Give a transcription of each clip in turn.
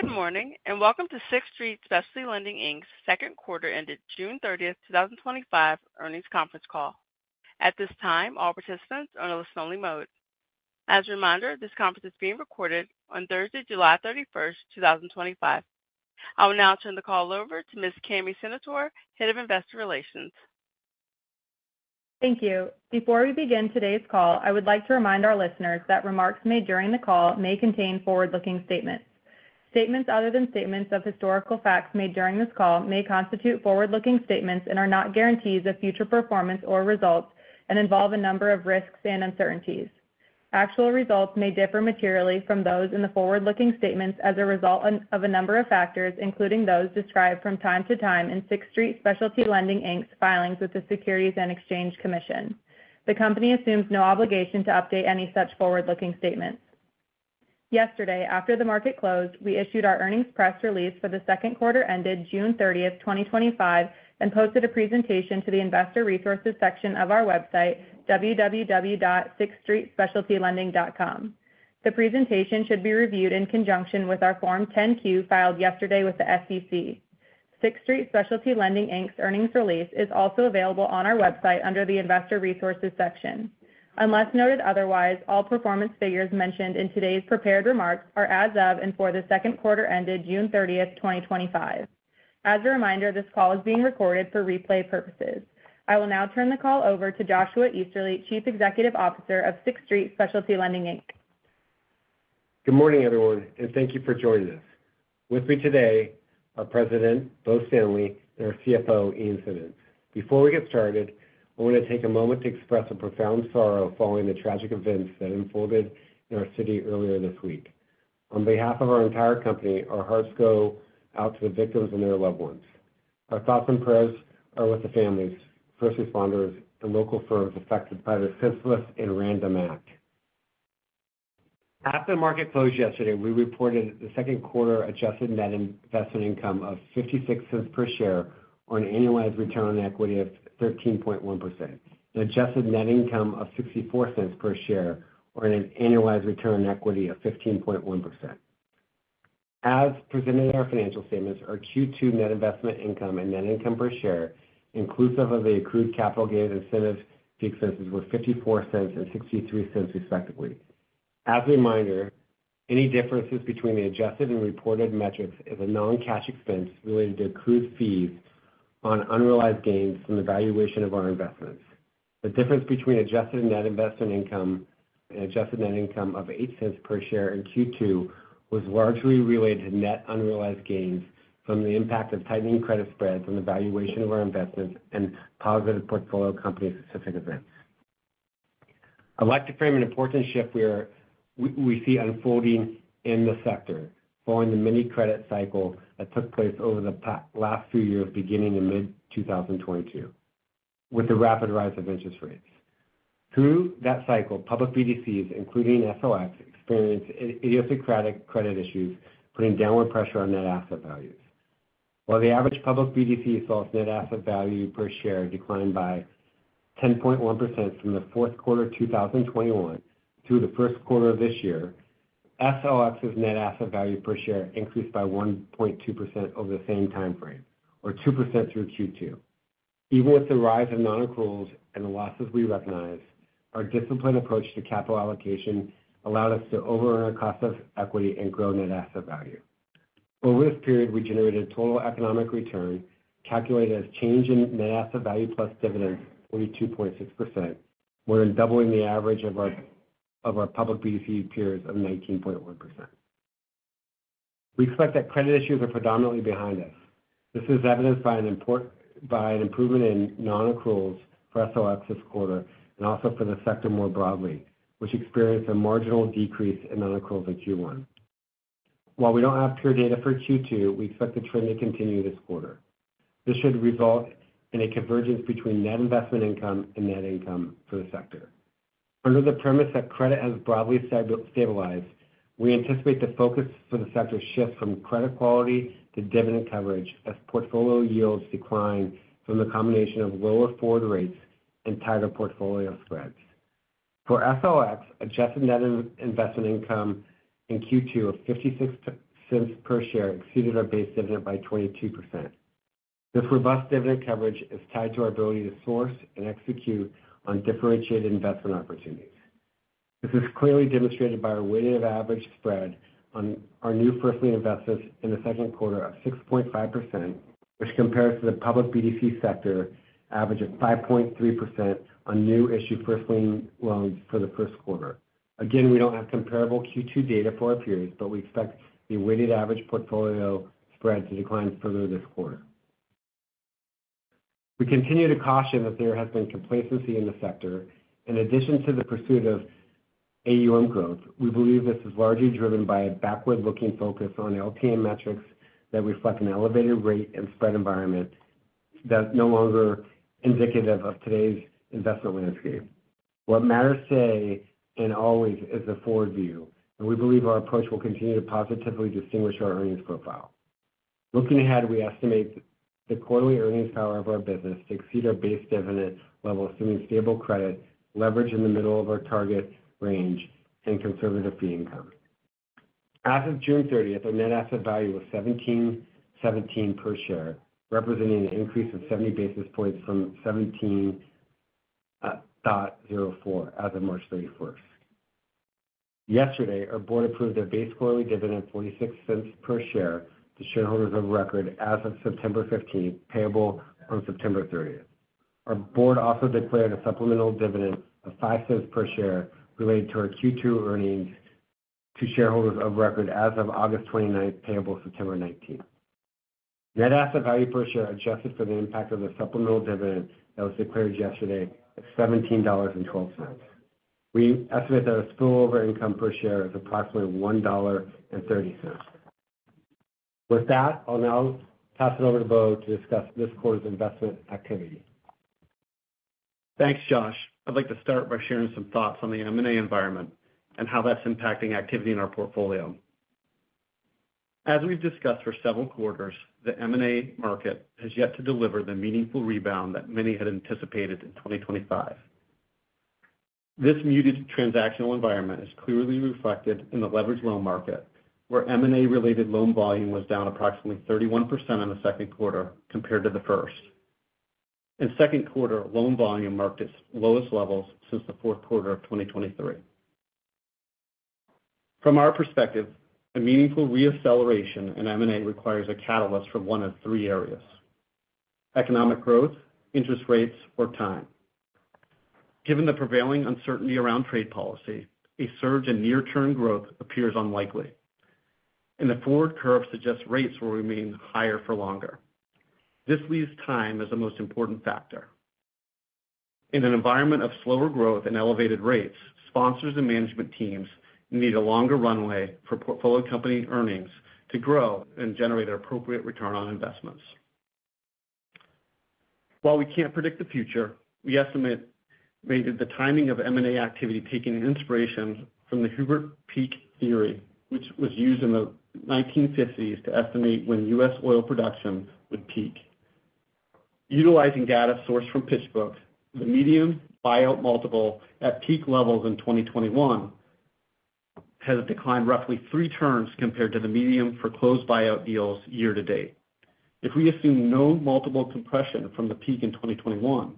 Good morning and welcome to Sixth Street Specialty Lending, Inc.'s second quarter ended June 30, 2025 earnings conference call. At this time, all participants are in a listen-only mode. As a reminder, this conference is being recorded on Thursday, July 31, 2025. I will now turn the call over to Ms. Cami VanHorn, Head of Investor Relations. Thank you. Before we begin today's call, I would like to remind our listeners that remarks made during the call may contain forward-looking statements. Statements other than statements of historical facts made during this call may constitute forward-looking statements and are not guarantees of future performance or results and involve a number of risks and uncertainties. Actual results may differ materially from those in the forward-looking statements as a result of a number of factors including those described from time to time in Sixth Street Specialty Lending, Inc's filings with the U.S. Securities and Exchange Commission. The company assumes no obligation to update any such forward-looking statements. Yesterday, after the market closed, we issued our earnings press release for the second quarter ended June 30, 2025, and posted a presentation to the Investor Resources section of our website, www.sixthstreetspecialtylending.com. The presentation should be reviewed in conjunction with our Form 10-Q filed yesterday with the SEC. Sixth Street Specialty Lending, Inc's earnings release is also available on our website under the Investor Resources section. Unless noted otherwise, all performance figures mentioned in today's prepared remarks are as of and for the second quarter ended June 30, 2025. As a reminder, this call is being recorded for replay purposes. I will now turn the call over to Joshua Easterly, Chief Executive Officer of Sixth Street Specialty Lending, Inc. Good morning. Everyone and thank you for joining us. With me today are President Bo Stanley and our CFO Ian Simmonds. Before we get started, I want to take a moment to express a profound sorrow following the tragic events that unfolded in our city earlier this week. On behalf of our entire company, our hearts go out to the victims and their loved ones. Our thoughts and prayers are with the families, first responders, and local firms affected by the senseless and random act. After the market closed yesterday, we reported the second quarter adjusted net investment income of $0.56 per share or an annualized ROE of 13.1%, and adjusted net income of $0.64 per share or an annualized ROE of 15.1%. As presented in our financial statements, our Q2 net investment income and net income per share inclusive of the accrued capital gain incentive fee expenses were $0.54 and $0.63, respectively. As a reminder, any differences between the adjusted and reported metrics is a non-cash expense related to accrued fees on unrealized gains from the valuation of our investments. The difference between adjusted net investment income and adjusted net income of $0.08 per share in Q2 was largely related to net unrealized gains from the impact of tightening credit spreads on the valuation of our investments and positive portfolio company specific events. I'd like to frame an important shift we see unfolding in the sector following the mini credit cycle that took place over the last few years beginning in mid-2022. With the rapid rise of interest rates through that cycle, public BDCs including SLX experienced idiosyncratic credit issues, putting downward pressure on net asset values. While the average public BDC saw its net asset value per share decline by 10.1% from the fourth quarter 2021 through the first quarter of this year, SLX net asset value per share increased by 1.2% over the same time frame, or 2% through Q2. Even with the rise of non-accruals and the losses, we recognize our disciplined approach to capital allocation allowed us to overrun our cost of equity and grow net asset value. Over this period, we generated total economic return calculated as change in net asset value plus dividends of 42.6%, more than doubling the average of our public BDC peers of 19.1%. We expect that credit issues are predominantly behind us. This is evidenced by an improvement in non-accruals for SLX this quarter and also for the sector more broadly, which experienced a marginal decrease in non-accruals in Q1. While we don't have pure data for Q2, we expect the trend to continue this quarter. This should result in a convergence between net investment income and net income for the sector. Under the premise that credit has broadly stabilized, we anticipate the focus for the sector shifts from credit quality to dividend coverage as portfolio yields decline from the combination of lower forward rates and tighter portfolio spreads. For SLX, adjusted net investment income in Q2 of $0.56 per share exceeded our base dividend by 22%. This robust dividend coverage is tied to our ability to source and execute on differentiated investment opportunities. This is clearly demonstrated by our weighted average spread on our new first lien investments in the second quarter of 6.5%, which compares to the public BDC sector average of 5.3% on new issued first lien loans for the first quarter. Again, we don't have comparable Q2 data for our peers, but we expect the weighted average portfolio spread to decline further this quarter. We continue to caution that there has been complacency in the sector in addition to the pursuit of AUM growth. We believe this is largely driven by a backward-looking focus on LTA metrics that reflect an elevated rate and spread environment that is no longer indicative of today's investment landscape. What matters today and always is the forward view and we believe our approach will continue to positively distinguish our earnings profile. Looking ahead, we estimate the quarterly earnings power of our business to exceed our base dividend level, assuming stable credit leverage in the middle of our target range and conservative fee income. As of June 30, our net asset value was $17.17 per share, representing an increase of 70 basis points from $17.04 as of March 31. Yesterday, our board approved a base quarterly dividend of $0.46 per share to shareholders of record as of September 15, payable on September 30. Our board also declared a supplemental dividend of $0.05 per share related to our Q2 earnings to shareholders of record as of August 29, payable September 19. Net asset value per share adjusted for the impact of the supplemental dividend that was declared yesterday at $17.12, we estimate that spillover income per share is approximately $1.30. With that, I'll now pass it over to Bo to discuss this quarter's investment activity. Thanks, Josh. I'd like to start by sharing some thoughts on the M&A environment and how that's impacting activity in our portfolio. As we've discussed for several quarters, the M&A market has yet to deliver the meaningful rebound that many had anticipated in 2025. This muted transactional environment is clearly reflected in the leveraged loan market, where M&A-related loan volume was down approximately 31% in the second quarter compared to the first. In the second quarter, loan volume marked its lowest levels since the fourth quarter of 2023. From our perspective, a meaningful reacceleration in M&A requires a catalyst for one of three areas: economic growth, interest rates, or time. Given the prevailing uncertainty around trade policy, a surge in near-term growth appears unlikely and the forward curve suggests rates will remain higher for longer. This leaves time as the most important factor in an environment of slower growth and elevated rates. Sponsors and management teams need a longer runway for portfolio company earnings to grow and generate an appropriate return on investments. While we can't predict the future, we estimated the timing of M&A activity taking inspiration from the Hubbert peak theory, which was used in the 1950s to estimate when U.S. oil production would peak. Utilizing data sourced from PitchBook, the median buyout multiple at peak levels in 2021 has declined roughly three turns compared to the median for closed buyout deals year-to-date. If we assume no multiple compression from the peak in 2021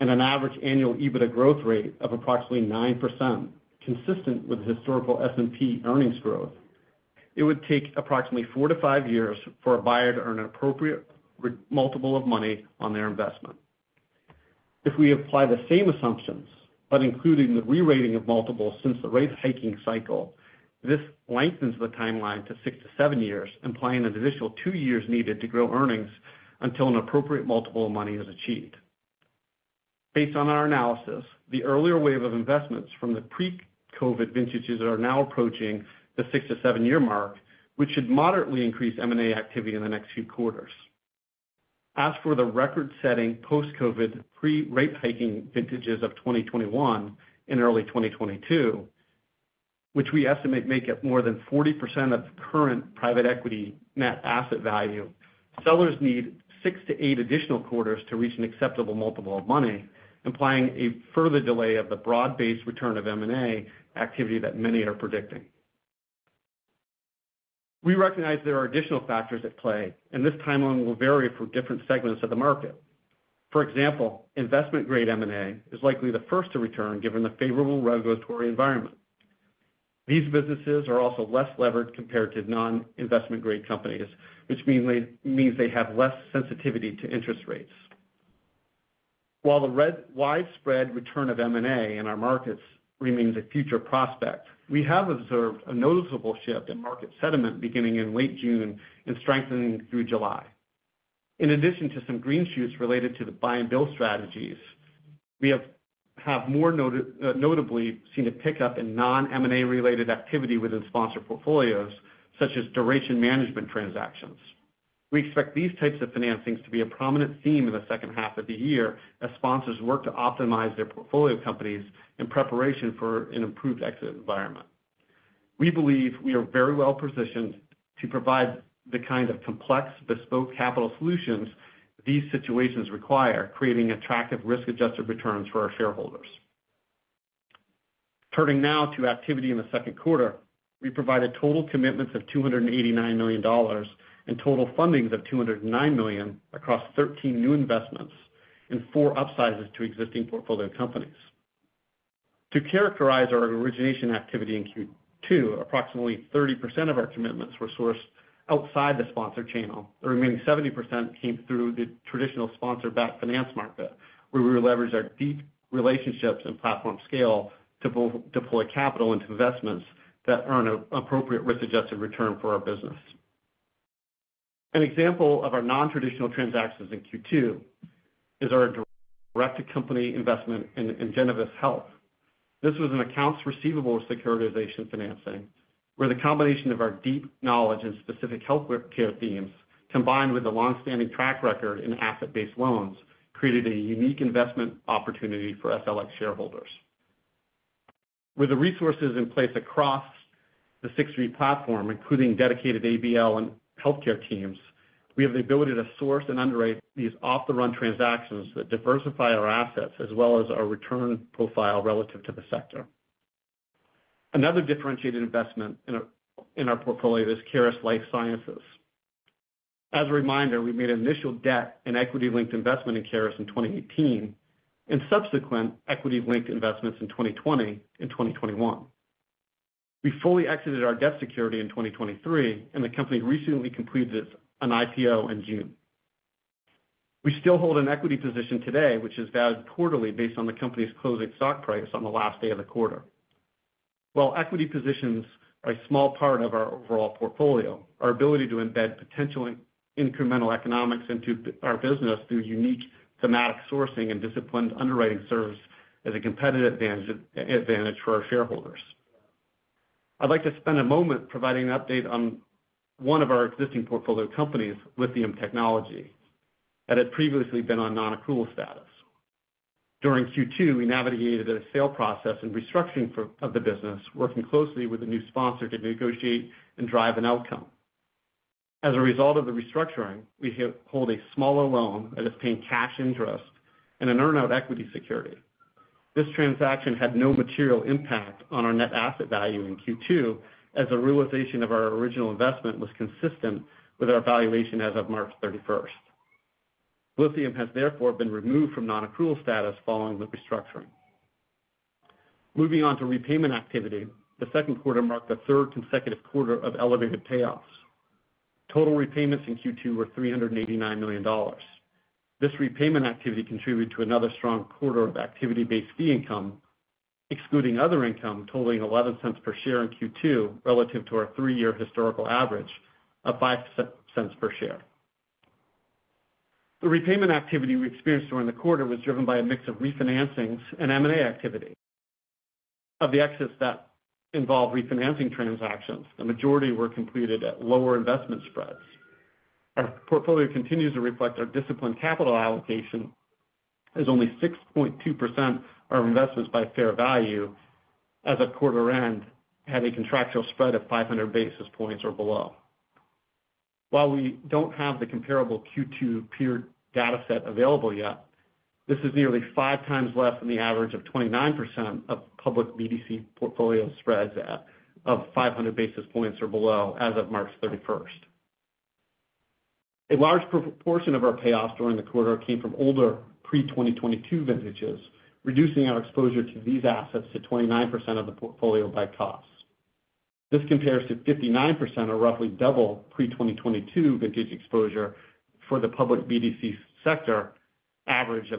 and an average annual EBITDA growth rate of approximately 9% consistent with historical S&P earnings growth, it would take approximately four to five years for a buyer to earn an appropriate multiple of money on their investment. If we apply the same assumptions but include the rerating of multiples since the rate hiking cycle, this lengthens the timeline to six to seven years, implying an additional two years needed to grow earnings until an appropriate multiple of money is achieved. Based on our analysis, the earlier wave of investments from the pre-COVID vintages are now approaching the six to seven year mark, which should moderately increase M&A activity in the next few quarters. As for the record-setting post-COVID pre-rate hiking vintages of 2021 and early 2022, which we estimate make up more than 40% of current private equity net asset value, sellers need six to eight additional quarters to reach an acceptable multiple of money, implying a further delay of the broad-based return of M&A activity that many are predicting. We recognize there are additional factors at play, and this timeline will vary for different segments of the market. For example, investment grade M&A is likely the first to return given the favorable regulatory environment. These businesses are also less levered compared to non-investment grade companies, which means they have less sensitivity to interest rates. While the widespread return of M&A in our markets remains a future prospect, we have observed a noticeable shift in market sentiment beginning in late June and strengthening through July. In addition to some green shoots related to the buy and build strategies, we have more notably seen a pickup in non-M&A related activity within sponsor portfolios such as duration management transactions. We expect these types of financings to be a prominent theme in the second half of the year as sponsors work to optimize their portfolio companies in preparation for an improved exit environment. We believe we are very well positioned to provide the kind of complex, bespoke capital solutions these situations require, creating attractive risk-adjusted returns for our shareholders. Turning now to activity in the second quarter, we provided total commitments of $289 million and total fundings of $209 million across 13 new investments and 4 upsizes to existing portfolio companies. To characterize our origination activity in Q2, approximately 30% of our commitments were sourced outside the sponsor channel. The remaining 70% came through the traditional sponsor-backed finance market where we leveraged our deep relationships and platform scale to deploy capital into investments that earn an appropriate risk-adjusted return for our business. An example of our non-traditional transactions in Q2 is our direct-to-company investment in Ingenovis Health. This was an accounts receivable securitization financing where the combination of our deep knowledge and specific healthcare themes, combined with the longstanding track record in asset-based loans, created a unique investment opportunity for SLX shareholders. With the resources in place across the Sixth Street platform, including dedicated ABL and healthcare teams, we have the ability to source and underwrite these off-the-run transactions that diversify our assets as well as our return profile relative to the sector. Another differentiated investment in our portfolio is Caris Life Sciences. As a reminder, we made initial debt and equity-linked investment in Caris in 2018 and subsequent equity-linked investments in 2020 and 2021. We fully exited our debt security in 2023, and the company recently completed an IPO in June. We still hold an equity position today, which is valued quarterly based on the company's closing stock price on the last day of the quarter. While equity positions are a small part of our overall portfolio, our ability to embed potential incremental economics into our business through unique thematic sourcing and disciplined underwriting serves as a competitive advantage for our shareholders. I'd like to spend a moment providing an update on one of our existing portfolio companies, Lithium Technology, that had previously been on non-accrual status. During Q2, we navigated a sale process and restructuring of the business, working closely with a new sponsor to negotiate and drive an outcome. As a result of the restructuring, we hold a smaller loan that is paying cash interest and an earn-out equity security. This transaction had no material impact on our net asset value in Q2, as the realization of our original investment was consistent with our valuation as of March 31. Lithium has therefore been removed from non-accrual status following the restructuring. Moving on to repayment activity, the second quarter marked the third consecutive quarter of elevated payoffs. Total repayments in Q2 were $389 million. This repayment activity contributed to another strong quarter of activity-based fee income, excluding other income, totaling $0.11 per share in Q2 relative to our three-year historical average of $0.05 per share. The repayment activity we experienced during the quarter was driven by a mix of refinancings and M&A activity. Of the exits that involved refinancing transactions, the majority were completed at lower investment spreads. Our portfolio continues to reflect our disciplined capital allocation as only 6.2% of investments by fair value as of quarter end had a contractual spread of 500 basis points or below. While we don't have the comparable Q2 peer data set available yet, this is nearly five times less than the average of 29% of public BDC portfolio spreads of 500 basis points or below as of March 31. A large portion of our payoffs during the quarter came from older pre-2022 vintages, reducing our exposure to these assets to 29% of the portfolio by cost. This compares to 59% or roughly double pre-2022 vintage exposure for the public BDC sector average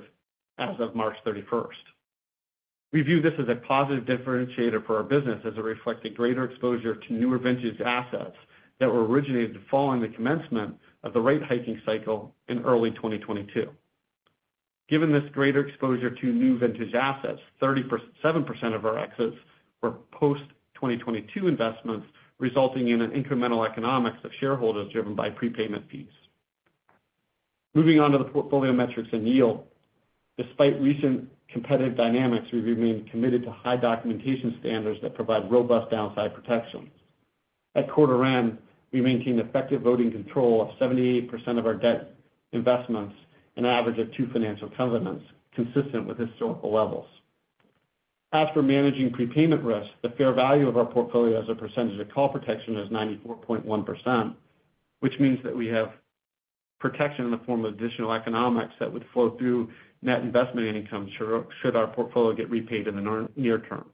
as of March 31. We view this as a positive differentiator for our business as it reflects a greater exposure to newer vintage assets that were originated following the commencement of the rate hiking cycle in early 2022. Given this greater exposure to new vintage assets, 37% of our exits were post-2022 investments, resulting in an incremental economics of shareholders driven by prepayment fees. Moving on to the portfolio metrics and yield, despite recent competitive dynamics, we remain committed to high documentation standards that provide robust downside protection at quarter end. We maintain effective voting control of 78% of our debt investments, an average of two financial covenants consistent with historical levels. As for managing prepayment risk, the fair value of our portfolio as a percentage of call protection is 94.1%, which means that we have protection in the form of additional economics that would flow through net investment income should our portfolio get repaid in the near term.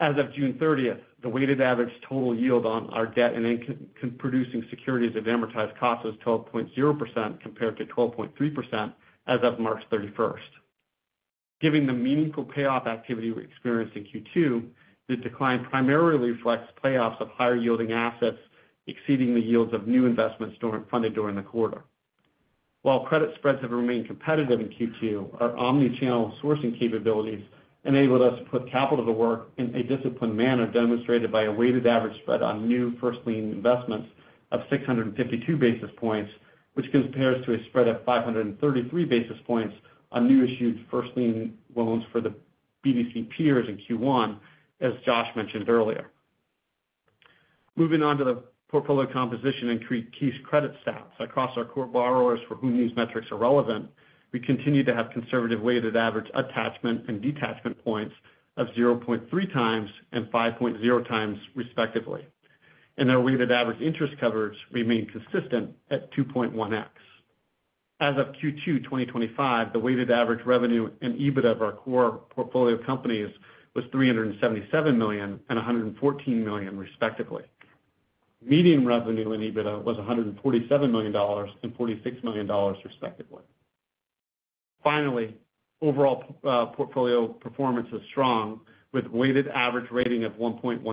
As of June 30, the weighted average total yield on our debt and income producing securities of amortized costs was 12.0% compared to 12.3% as of March 31. Given the meaningful payoff activity we experienced in Q2, the decline primarily reflects payoffs of higher yielding assets and exceeding the yields of new investments funded during the quarter. While credit spreads have remained competitive in Q2, our omnichannel sourcing capabilities enabled us to put capital to work in a disciplined manner, demonstrated by a weighted average spread on new first lien investments of 652 basis points, which compares to a spread of 533 basis points on new issued first lien loans for the BDC peers in Q1. As Josh mentioned earlier, moving on to the portfolio composition and key credit stats across our core borrowers for whom these metrics are relevant, we continue to have conservative weighted average attachment and detachment points of 0.3x and 5.0x, respectively, and our weighted average interest coverage remained consistent at 2.1x as of Q2 2025. The weighted average revenue and EBITDA of our core portfolio companies was $377 million and $114 million, respectively. Median revenue and EBITDA was $147 million and $46 million, respectively. Finally, overall portfolio performance is strong with a weighted average rating of 1.10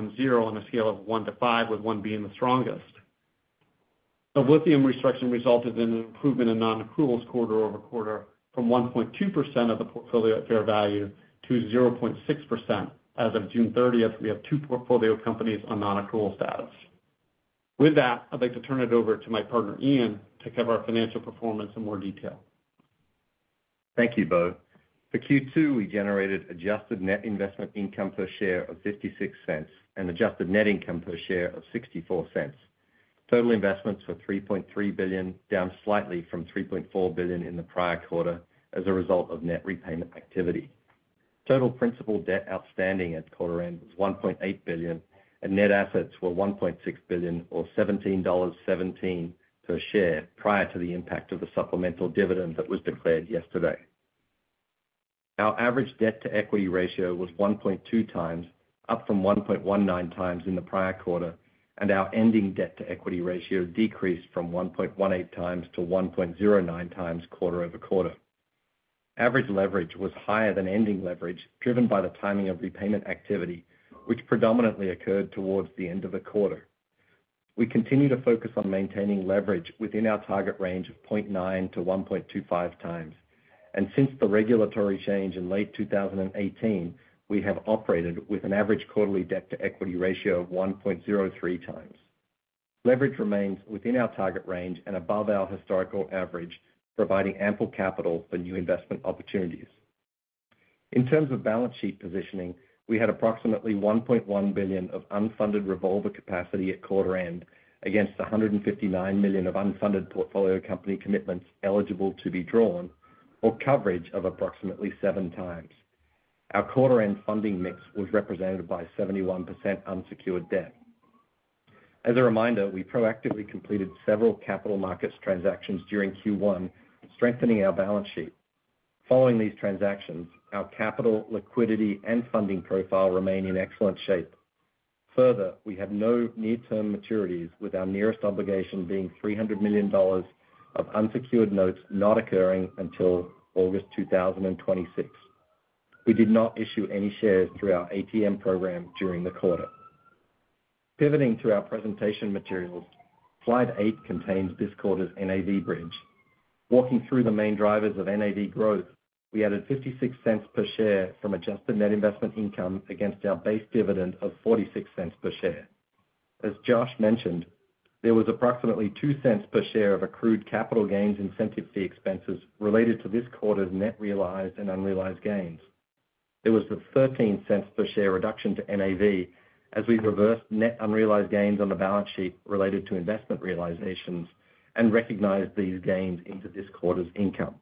on a scale of 1 to 5, with 1 being the strongest. The Lithium Technology restructuring resulted in an improvement in non-accruals quarter over quarter from 1.2% of the portfolio at fair value to 0.6%. As of June 30, we have 2 portfolio companies on non-accrual status. With that, I'd like to turn it over to my partner Ian to cover our financial performance in more detail. Thank you, Bo. For Q2, we generated adjusted net investment income per share of $0.56 and adjusted net income per share of $0.64. Total investments were $3.3 billion, down slightly from $3.4 billion in the prior quarter as a result of net repayment activity. Total principal debt outstanding at quarter end was $1.8 billion and net assets were $1.6 billion or $17.17 per share. Prior to the impact of the supplemental dividend that was declared yesterday, our average debt-to-equity ratio was 1.2x, up from 1.19x in the prior quarter, and our ending debt-to-equity ratio decreased from 1.18x to 1.09x. Quarter-over-quarter average leverage was higher than ending leverage, driven by the timing of repayment activity, which predominantly occurred towards the end of the quarter. We continue to focus on maintaining leverage within our target range of 0.9x to 1.25x, and since the regulatory change in late 2018, we have operated with an average quarterly debt-to-equity ratio of 1.03x. Leverage remains within our target range and above our historical average, providing ample capital for new investment opportunities. In terms of balance sheet positioning, we had approximately $1.1 billion of unfunded revolver capacity at quarter end against $159 million of unfunded portfolio company commitments eligible to be drawn, or coverage of approximately seven times. Our quarter end funding mix was represented by 71% unsecured debt. As a reminder, we proactively completed several capital markets transactions during Q1, strengthening our balance sheet. Following these transactions, our capital, liquidity, and funding profile remain in excellent shape. Further, we have no near-term maturities, with our nearest obligation being $300 million of unsecured notes not occurring until August 2026. We did not issue any shares through our ATM program during the quarter. Pivoting to our presentation materials, slide eight contains this quarter's NAV bridge. Walking through the main drivers of NAV growth, we added $0.56 per share from adjusted net investment income against our base dividend of $0.46 per share. As Josh mentioned, there was approximately $0.02 per share of accrued capital gains incentive fee expenses related to this quarter's net realized and unrealized gains. There was the $0.13 per share reduction to NAV, as we reversed net unrealized gains on the balance sheet related to investment realizations and recognized these gains into this quarter's income.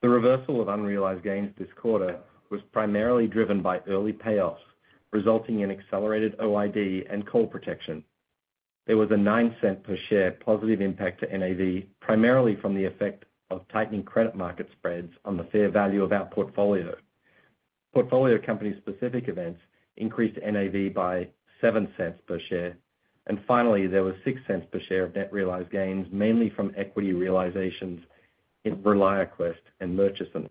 The reversal of unrealized gains this quarter was primarily driven by early payoffs resulting in accelerated OID and call protection. There was a $0.09 per share positive impact to NAV primarily from the effect of tightening credit market spreads on the fair value of our portfolio. Portfolio company specific events increased NAV by $0.07 per share. Finally, there was $0.06 per share of net realized gains, mainly from equity realizations in ReliaQuest and Murchison.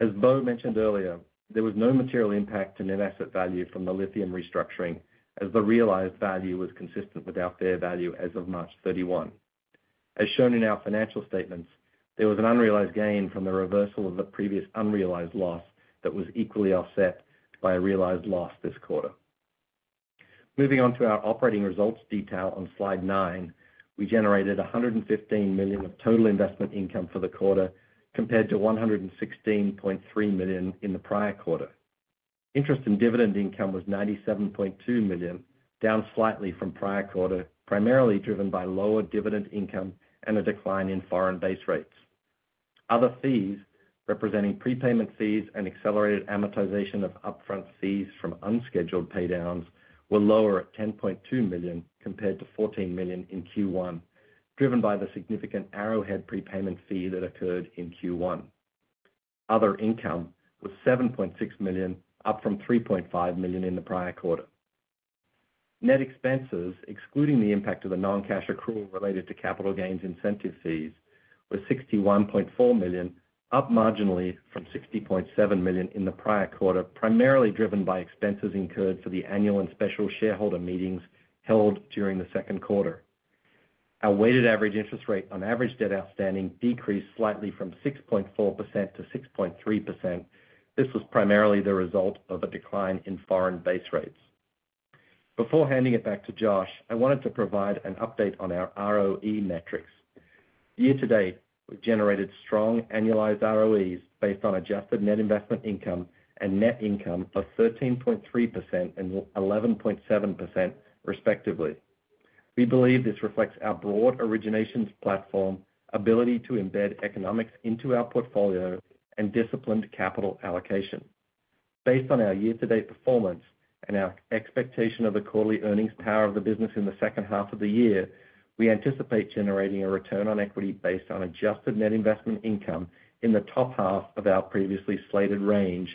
As Bo mentioned earlier, there was no material impact to net asset value from the Lithium restructuring as the realized value was consistent with our fair value as of March 31. As shown in our financial statements, there was an unrealized gain from the reversal of the previous unrealized loss that was equally offset by a realized loss this quarter. Moving on to our operating results detail on slide nine, we generated $115 million of total investment income for the quarter compared to $116.3 million in the prior quarter. Interest and dividend income was $97.2 million, down slightly from prior quarter, primarily driven by lower dividend income and a decline in foreign base rates. Other fees representing prepayment fees and accelerated amortization of upfront fees from unscheduled paydowns were lower at $10.2 million compared to $14 million in Q1, driven by the significant Arrowhead prepayment fee that occurred in Q1. Other income was $7.6 million, up from $3.5 million in the prior quarter. Net expenses excluding the impact of the noncash accrual related to capital gains incentive fees were $61.4 million, up marginally from $60.7 million in the prior quarter, primarily driven by expenses incurred for the annual and special shareholder meetings held during the second quarter. Our weighted average interest rate on average debt outstanding decreased slightly from 6.4% to 6.3%. This was primarily the result of a decline in foreign base rates. Before handing it back to Josh, I wanted to provide an update on our ROE metrics. Year-to-date, we've generated strong annualized ROEs based on adjusted net investment income and net income of 13.3% and 11.7% respectively. We believe this reflects our broad originations platform, ability to embed economics into our portfolio, and disciplined capital allocation. Based on our year to date performance and our expectation of the quarterly earnings power of the business in the second half of the year, we anticipate generating a return on equity based on adjusted net investment income in the top half of our previously stated range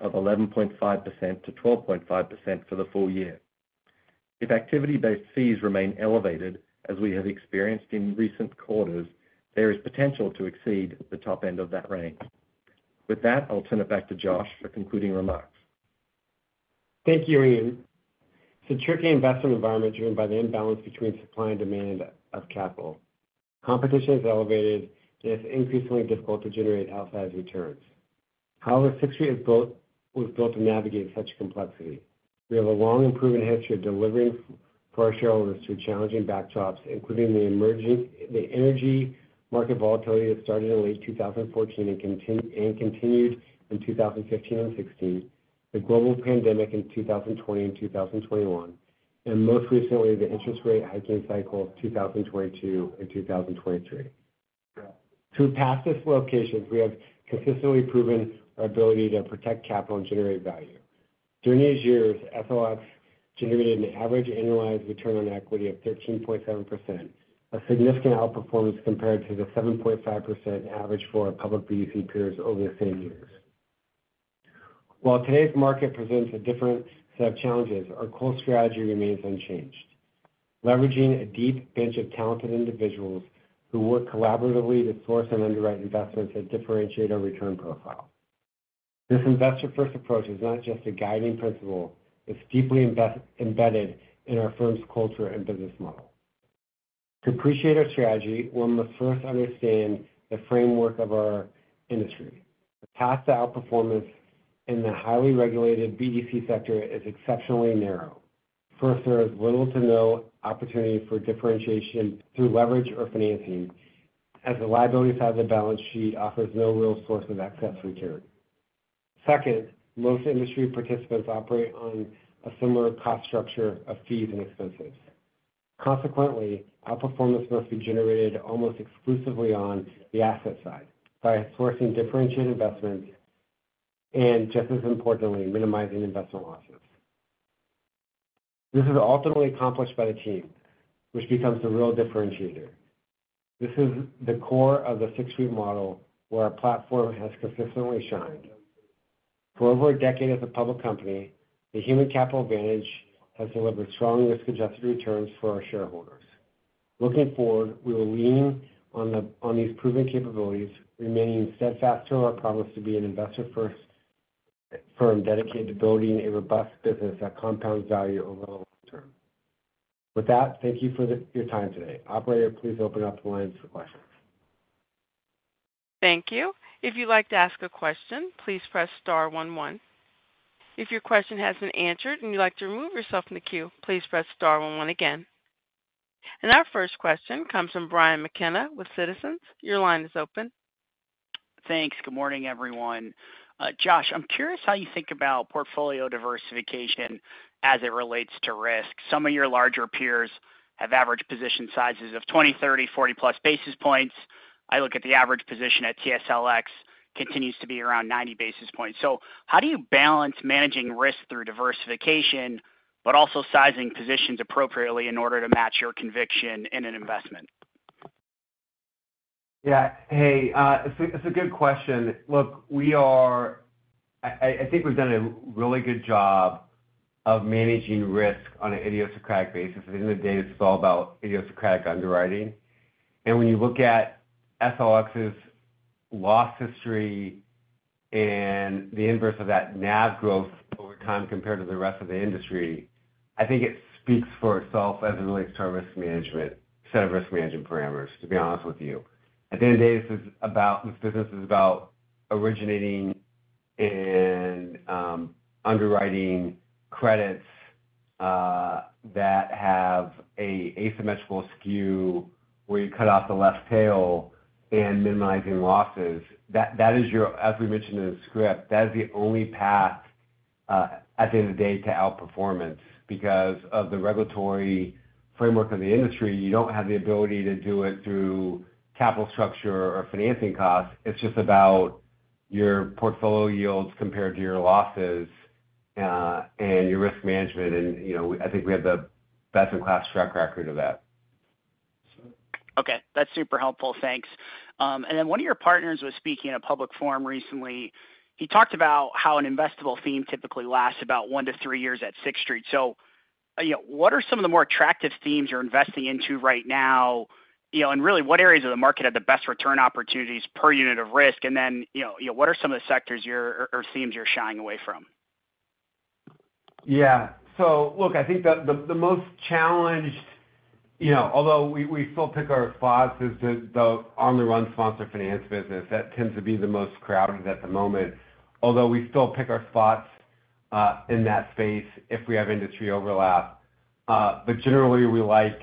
of 11.5% to 12.5% for the full year. If activity based fees remain elevated, as we have experienced in recent quarters, there is potential to exceed the top end of that range. With that, I'll turn it back to Josh for concluding remarks. Thank you, Ian. It's a tricky investment environment driven by the imbalance between supply and demand of capital. Competition is elevated and it's increasingly difficult to generate outsized returns. However, Sixth Street is both was built to navigate such complexity. We have a long and proven history of delivering for our shareholders through challenging backdrops, including the energy market volatility that started in late 2014 and continued in 2015 and 2016, the global pandemic in 2020 and 2021, and most recently the interest rate hiking cycle in 2022 and 2023. Through past dislocations, we have consistently proven our ability to protect capital and generate value. During these years, SLX generated an average annualized ROE of 13.7%, a significant outperformance compared to the 7.5% average for our public BDC peers over the same years. While today's market presents a different set of challenges, our core strategy remains unchanged, leveraging a deep bench of talented individuals who work collaboratively to source and underwrite investments that differentiate our return profile. This investor-first approach is not just a guiding principle, it's deeply embedded in our firm's culture and business model. To appreciate our strategy, one must first understand the framework of our industry. The path to outperformance in the highly regulated BDC sector is exceptionally narrow. First, there is little to no opportunity for differentiation through leverage or financing, as the liability side of the balance sheet offers no real source of excess return. Second, most industry participants operate on a similar cost structure of fees and expenses. Consequently, outperformance must be generated almost exclusively on the asset side by sourcing differentiated investments and just as importantly, minimizing investment losses. This is ultimately accomplished by the team which becomes the real differentiator. This is the core of the Sixth Street model where our platform has consistently shined for over a decade. As a public company, the human capital advantage has delivered strong risk-adjusted returns for our shareholders. Looking forward, we will lean on these proven capabilities, remaining steadfast to our promise to be an investor-first firm dedicated to building a robust business that compounds value overall. With that, thank you for your time today. Operator, please open up the lines for questions. Thank you. If you'd like to ask a question, please press star one one. If your question has been answered and you'd like to remove yourself from the queue, please press star one one again. Our first question comes from Brian McKenna with Citizens. Your line is open. Thanks. Good morning everyone. Josh, I'm curious how you think about portfolio diversification as it relates to risk. Some of your larger peers have average position sizes of 20, 30, 40+ basis points. I look at the average position at TSLX continues to be around 90 basis points. How do you balance managing risk through diversification but also sizing positions appropriately in order to match your conviction in an investment? Yeah, hey, it's a good question. Look, we are, I think we've done a really good job of managing risk on an idiosyncratic basis in the data. It's all about idiosyncratic underwriting. When you look at SLX's loss history and the inverse of that NAV growth over time compared to the rest of the industry, I think it speaks for itself as it relates to our set of risk management parameters. To be honest with you, at the end of the day, this business is about originating and underwriting credits that have an asymmetrical skew where you cut off the left tail and minimize losses. That is your, as we mentioned in the script, that is the only path at the end of the day to outperformance. Because of the regulatory framework in the industry, you don't have the ability to do it through capital structure or financing costs. It's just about your portfolio yields compared to your losses and your risk management. I think we have the best in class track record of that. Okay, that's super helpful, thanks. One of your partners was speaking in a public forum recently. He talked about how an investable theme typically lasts about one to three years at Sixth Street. What are some of the more attractive themes you're investing into right now? What areas of the market have the best return opportunities per unit of risk? What are some of the sectors or themes you're shying away from? Yeah, so look, I think the most challenged, although we still pick our spots, is the on the run sponsored finance business. That tends to be the most crowded at the moment, although we still pick our spots in that space if we have industry overlap. Generally, we like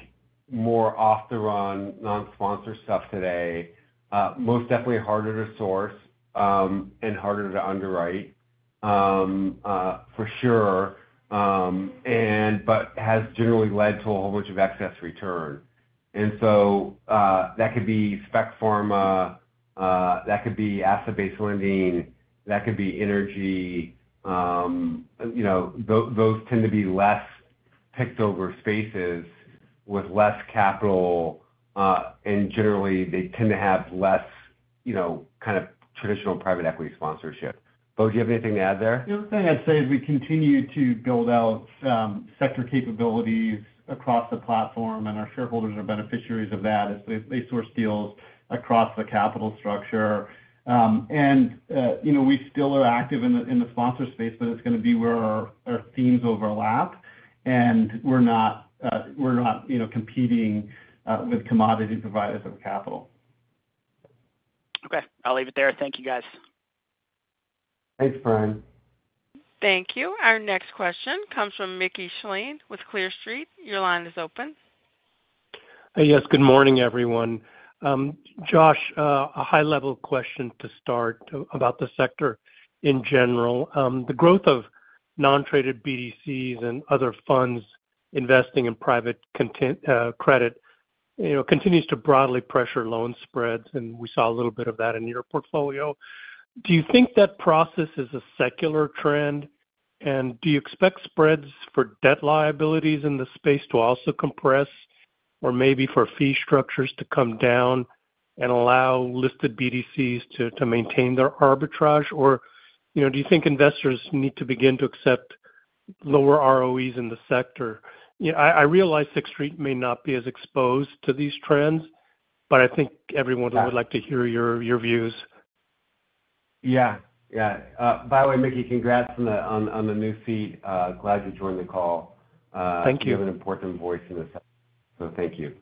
more off the run non sponsor stuff today most definitely. Harder to source and harder to underwrite for sure, but has generally led to a whole bunch of excess return. That could be spec pharma, that could be asset based lending, that could be energy. Those tend to be less picked over spaces with less capital, and generally they tend to have less traditional private equity sponsorship. Bo, do you have anything to add there? The other thing I'd say is we continue to build out sector capabilities across the platform, and our shareholders are beneficiaries of that as they source deals across the capital structure. We still are active in the sponsor space, but it's going to be where our themes overlap, and we're not competing with commodity providers of capital. Okay, I'll leave it there. Thank you, guys. Thanks, Brian. Thank you. Our next question comes from Mickey Schleien with Clear Street. Your line is open. Yes, good morning everyone. Josh, a high level question to start about the sector in general. The growth of non-traded BDCs and other funds investing in private credit continues to broadly pressure loan spreads, and we saw a little bit of that in your portfolio. Do you think that process is a secular trend, and do you expect spreads for debt liabilities in the space to also compress, or maybe for fee structures to come down and allow listed BDCs to maintain their arbitrage? Do you think investors need to begin to accept lower ROEs in the sector? I realize Sixth Street may not be as exposed to these trends, but I think everyone would like to hear your views. Yeah, yeah. By the way, Mickey, congrats on the new seat. Glad you joined the call. You have an important voice in the sense, so thank you.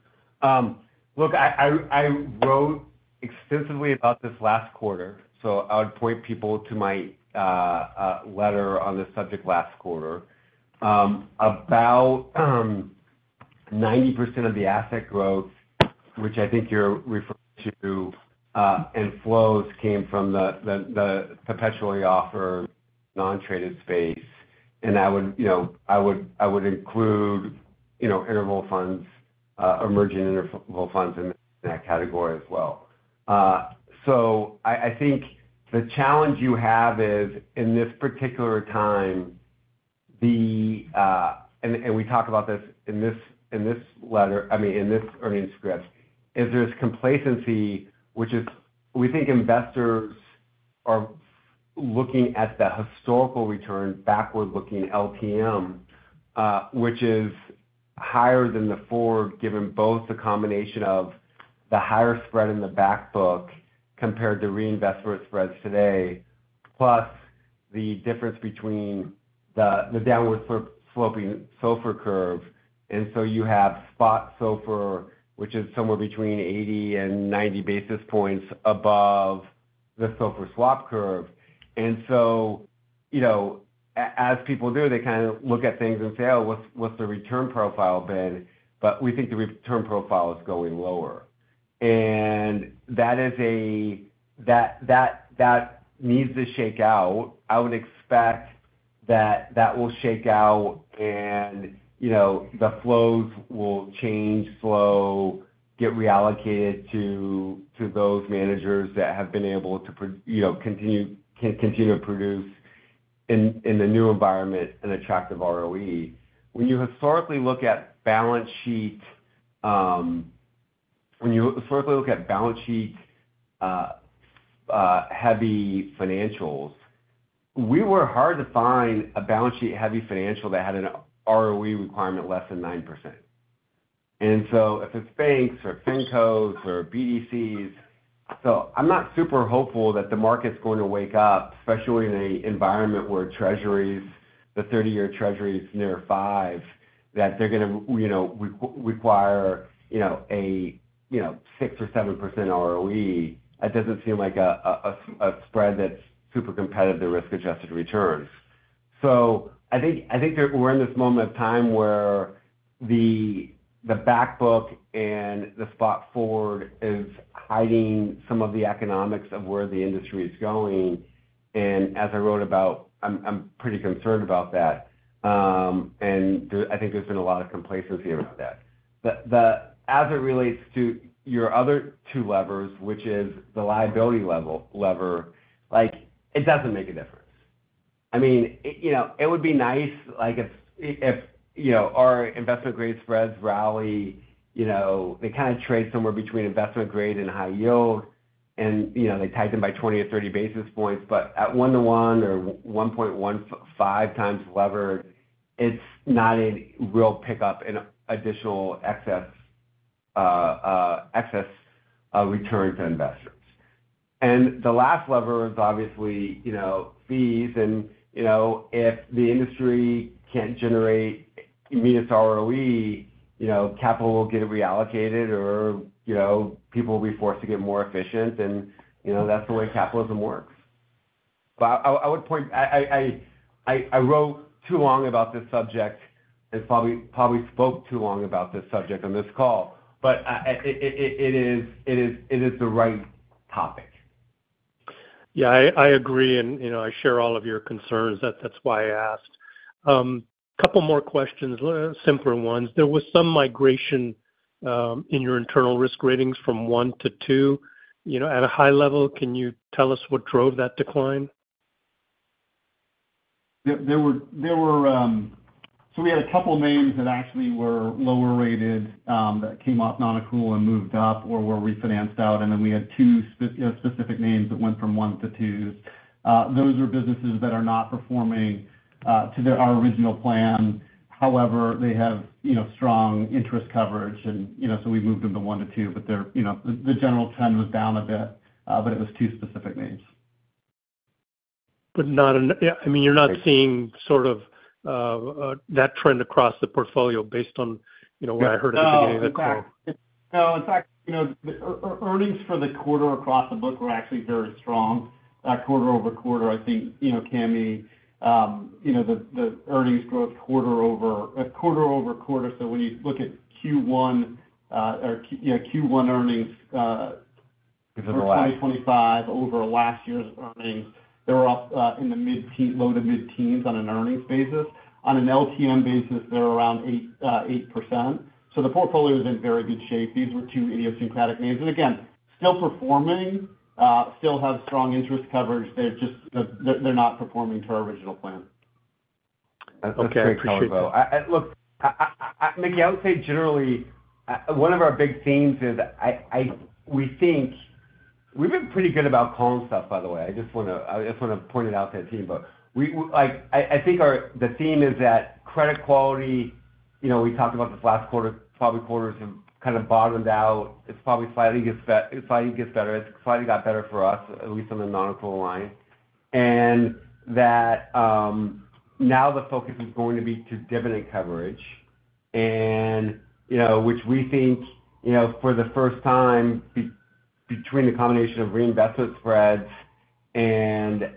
Look, I wrote extensively about this last quarter, so I would point people to my letter on the subject. Last quarter, about 90% of the asset growth, which I think you're referring to, and flows came from the perpetual offer non-traded space. I would include interval funds, emerging interval funds in that category as well. I think the challenge you have is in this particular time, and we talk about this in this letter, I mean in this earnings script, is there's complacency, which is we think investors are looking at the historical return backward looking LTM, which is higher than the forward given both the combination of the higher spread in the back book compared to reinvestment spreads today, plus the difference between the downward sloping SOFR curve. You have spot SOFR, which is somewhere between 80 and 90 basis points above the SOFR swap curve. As people do, they kind of look at things and say, oh, what's the return profile bid? We think the return profile is going lower, and that needs to shake out. I would expect that will shake out, and the flows will change, get reallocated to those managers that have been able to continue to produce in the new environment an attractive ROE. When you historically look at balance sheet, when you historically look at balance sheet heavy financials, we were hard to find a balance sheet heavy financial that had an ROE requirement less than 9%. If it's banks or fincos or BDCs, I'm not super hopeful that the market's going to wake up, especially in an environment where treasuries, the 30-year treasuries near 5, that they're going to require a 6% or 7% ROE. It doesn't seem like a spread that's super competitive to risk-adjusted returns. I think we're in this moment of time where the back book and the spot forward is hiding some of the economics of where the industry is going. As I wrote about, I'm pretty concerned about that, and I think there's been a lot of complacency with that. As it relates to your other two levers, which is the liability lever, it doesn't make a difference. It would be nice if our investment grade spreads rally. They trade somewhere between investment grade and high yield, and they tighten by 20 or 30 basis points. At 1 to 1 or 1.15x levered, it's not a real pickup in additional excess return to investors. The last lever is obviously fees. If the industry can't generate immediate ROE, capital will get reallocated or people will be forced to get more efficient. That's the way capitalism works. I would point I wrote too long about this subject and probably spoke too long about this subject on this call, but it is the right topic. Yeah, I agree and I share all of your concerns. That's why I asked a couple more questions, simpler ones. There was some migration in your internal risk ratings from 1 to 2, you know, at a high level. Can you tell us what drove that decline? There were a couple names that actually were lower rated that came off non-accrual and moved up or were refinanced out, and then we had two specific names that went from 1 to 2. Those are businesses that are not performing to our original plan. However, they have strong interest coverage, and so we moved them to 1 to 2. The general trend was down a bit. It was two specific names, but you're not seeing sort of that trend across the portfolio. Based on what I heard at the beginning of the call, no. In fact, earnings for the quarter across the book were actually very strong quarter over quarter. I think Cami, the earnings growth quarter. Over quarter-over-quarter. When you look at Q1 or Q1 earnings in 2025 over last year's earnings, they were up in the low to mid teens on an earnings basis. On an LTM basis, they're around 8%. The portfolio is in very good shape. These were two idiosyncratic names and again, still performing, still have strong interest coverage. They're just not performing to our original plan. Okay, appreciate it. Look, Mickey, I would say generally one of our big themes is we think we've been pretty good about calling stuff by the way. I just want to point it out to the team. I think the theme is that credit quality, we talked about this last quarter, probably quarters have kind of bottomed out. It probably gets better. It slightly got better for us at least on the non-accrual line. Now the focus is going to be to dividend coverage, which we think for the first time between the combination of reinvestment spreads and the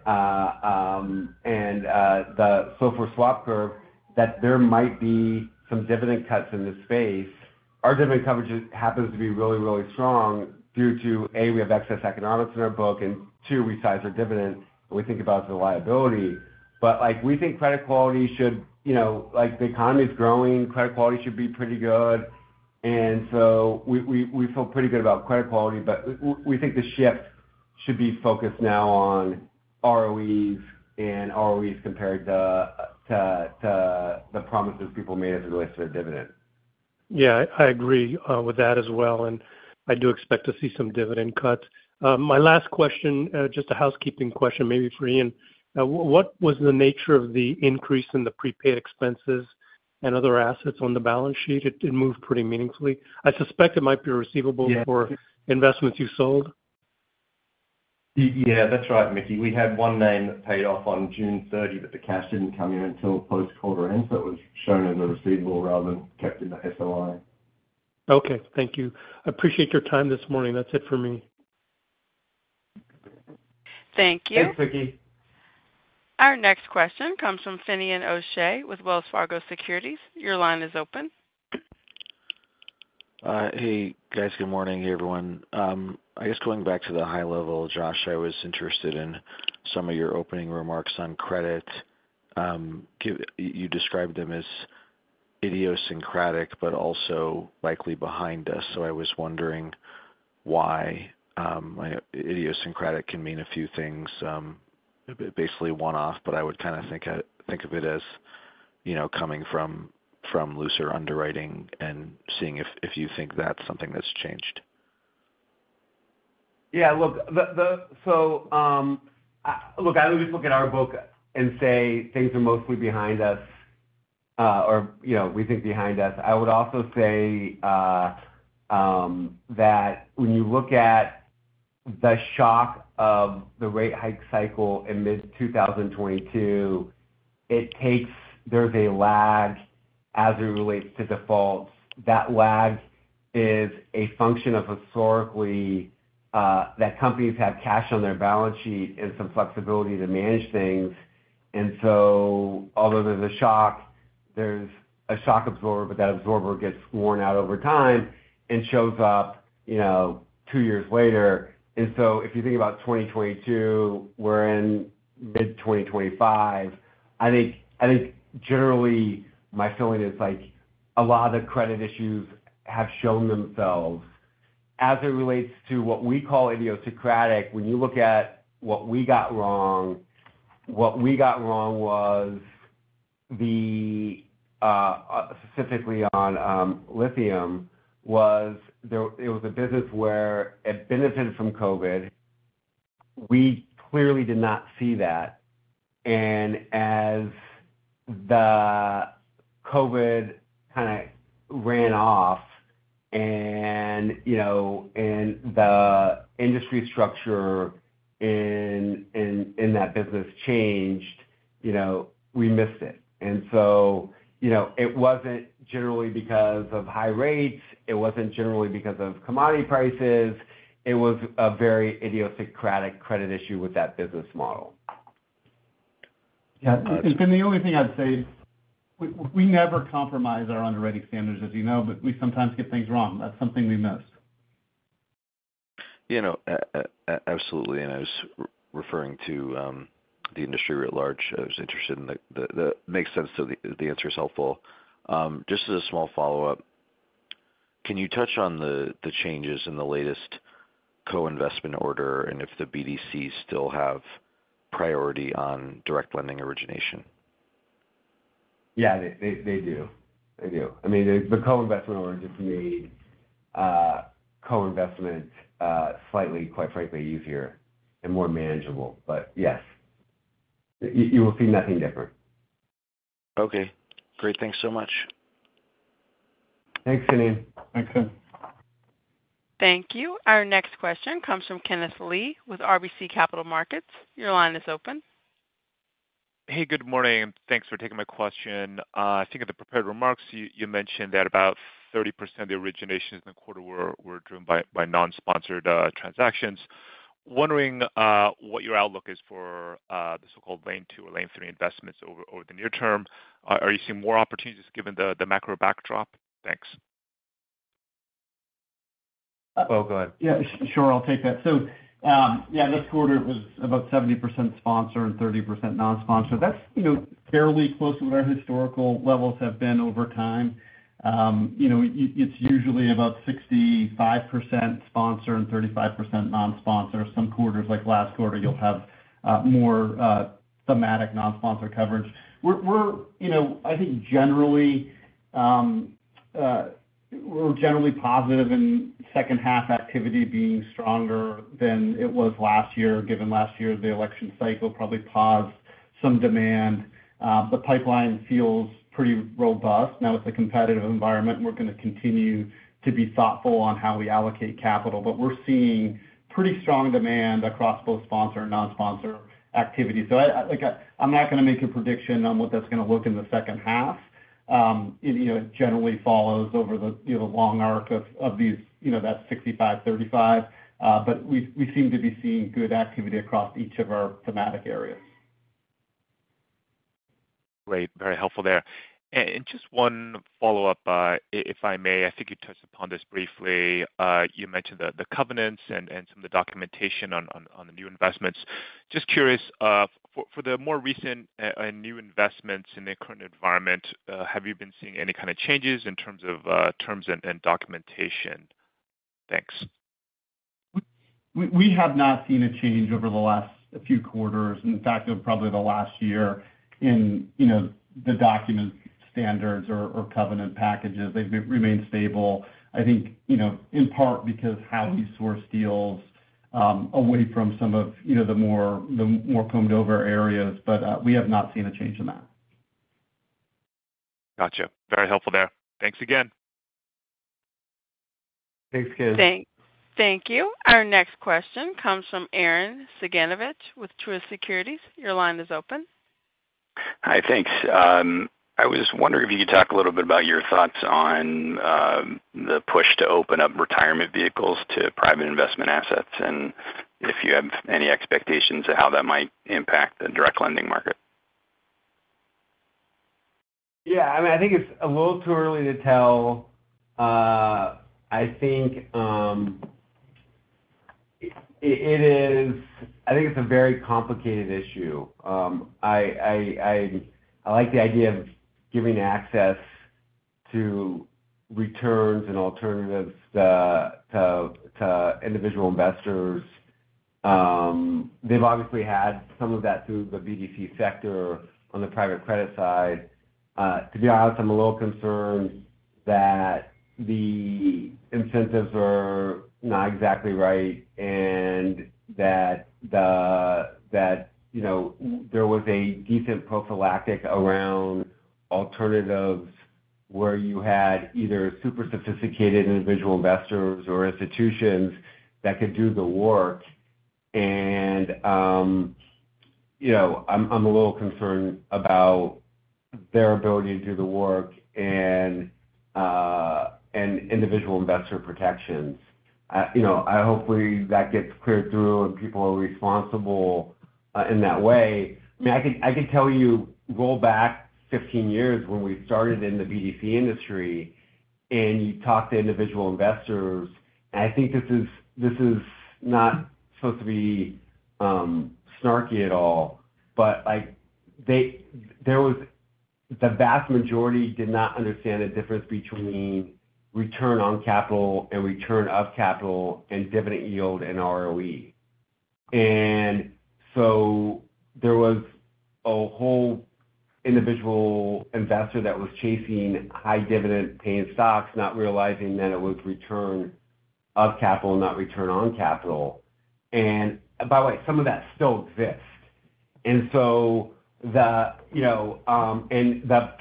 SOFR swap curve that there might be some dividend cuts in this space. Our dividend coverage happens to be really, really strong due to a. We have excess economics in our book and to resize our dividend we think about the liability, but we think credit quality should. The economy is growing. Credit quality should be pretty good and we feel pretty good about credit quality. We think the shift should be. Focused now on ROEs and ROEs compared to the promises people made as it relates to the dividend. Yeah, I agree with that as well. I think I do expect to see some dividend cuts. My last question, just a housekeeping question maybe for Ian. What was the nature of the increase in the prepaid expenses and other assets on the balance sheet? It moved pretty meaningfully. I suspect it might be a receivable for investments you sold. Yeah, that's right, Mickey. We had one name that paid off on June 30, but the cash didn't. come in until post quarter end, so it was shown as a receivable. Rather than kept in the SOI. Okay, thank you. I appreciate your time this morning. That's it for me. Thank you. Thanks, Vicki. Our next question comes from Finian O'Shea with Wells Fargo Securities. Your line is open. Good morning, everyone. I guess going back to the high level, Josh, I was interested in some. Of your opening remarks on credit. You described them as idiosyncratic but also likely behind us. I was wondering why. Idiosyncratic can mean a few things, basically one off. I would kind of think of it as coming from looser underwriting and seeing if you think that's something that's changed. Yeah, look, I always look at our book and say things are mostly behind us or we think behind us. I would also say that when you look at the shock of the rate hike cycle in mid-2022, it takes a lag as it relates to defaults. That lag is a function of historically that companies have cash on their balance sheet and some flexibility to manage things. Although there's a shock, there's a shock absorber, but that absorber gets worn out over time and shows up two years later. If you think about 2022, we're in mid-2025. I think generally my feeling is a lot of the credit issues have shown themselves as it relates to what we call idiosyncratic. When you look at what we got wrong, what we got wrong was specifically on Lithium Technology. It was a business where it benefited from COVID. We clearly did not see that. As the COVID kind of ran off and the industry structure in that business changed, we missed it. It wasn't generally because of high rates. It wasn't generally because of commodity prices. It was a very idiosyncratic credit issue with that business model. The only thing I'd say is we never compromise our underwriting standards, as you know, but we sometimes get things wrong. That's something we miss. Absolutely. I was referring to the industry writ large. I was interested in the makes sense. The answer is helpful. Just as a small follow-up, can. You touch on the changes in the latest co-investment order and if the. BDCs still have priority on direct lending origination? Yeah, they do. I mean, the co-investment order just made co-investment slightly, quite frankly, easier and more manageable. Yes, you will see nothing different. Okay, great. Thanks so much. Thanks, Cami. Excellent. Thank you. Our next question comes from Kenneth Lee with RBC Capital Markets. Your line is open. Hey, good morning. Thanks for taking my question. I think in the prepared remarks you mentioned that about 30% of the originations in the quarter were driven by non-sponsored transactions. Wondering what your outlook is for the so-called lane two or lane three investments over the near term. Are you seeing more opportunities given the macro backdrop? Thanks. Go ahead. Yeah, sure, I'll take that. This quarter it was about 70% sponsor and 30% non-sponsor. That's fairly close to what our historical levels have been over time. It's usually about 65% sponsor and 35% non-sponsor. Some quarters, like last quarter, you'll have more thematic non-sponsor coverage. I think generally. We'Re. Generally positive in second half activity being stronger than it was last year. Given last year, the election cycle probably paused some demand. The pipeline feels pretty robust now. It's a competitive environment. We're going to continue to be thoughtful on how we allocate capital. We're seeing pretty strong demand across both sponsor and non sponsor activity. I'm not going to make a prediction on what that's going to look in the second half. It generally follows over the long arc of these, that 65/35. We seem to be seeing good activity across each of our thematic areas. Great, very helpful there. Just one follow up, if I may. I think you touched upon this briefly. You mentioned the covenants and some of the documentation on the new investments. Just curious, for the more recent and new investments in the current environment, have you been seeing any kind of changes in terms of terms and documentation? Thanks. We have not seen a change over the last few quarters. In fact, probably the last year in the document standards or covenant packages, they remain stable, I think in part because how we source deals away from some of the more combed over areas. We have not seen a change in that. Gotcha. Very helpful there. Thanks again. Thanks, Kim. Thank you. Our next question comes from Arren Cyganovich with Truist Securities. Your line is open. Hi. Thanks. I was wondering if you could talk. A little bit about your thoughts on the push to open up retirement vehicles to private investment assets, and if you have any expectations of how that might impact the direct lending market. I think it's a little too early to tell. I think it's a very complicated issue. I like the idea of giving access to returns and alternatives to individual investors. They've obviously had some of that through the BDC sector. On the private credit side, to be honest, I'm a little concerned that the incentives are not exactly right. There was a decent prophylactic around alternatives where you had either super sophisticated individual investors or institutions that could do the work. I'm a little concerned about their ability to do the work and individual investor protections. Hopefully that gets cleared through and people are responsible in that way. I can tell you roll back 15 years when we started in the BDC industry and you talk to individual investors. I think this is not supposed to be snarky at all. But. The vast majority did not understand the difference between return on capital and return of capital, and dividend yield and ROE. There was a whole individual investor that was chasing high dividend paying stocks, not realizing that it was return of capital, not return on capital. By the way, some of that still exists. The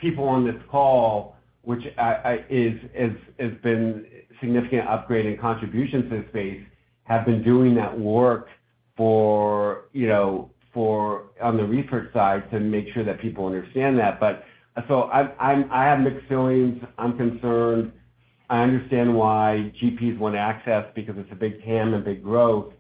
people on this call, which has been significant upgrade and contributions to this space, have been doing that work for, you know, on the research side to make sure that people understand that. I have mixed feelings. I'm concerned. I understand why GPs want access because it's a big TAM and big growth.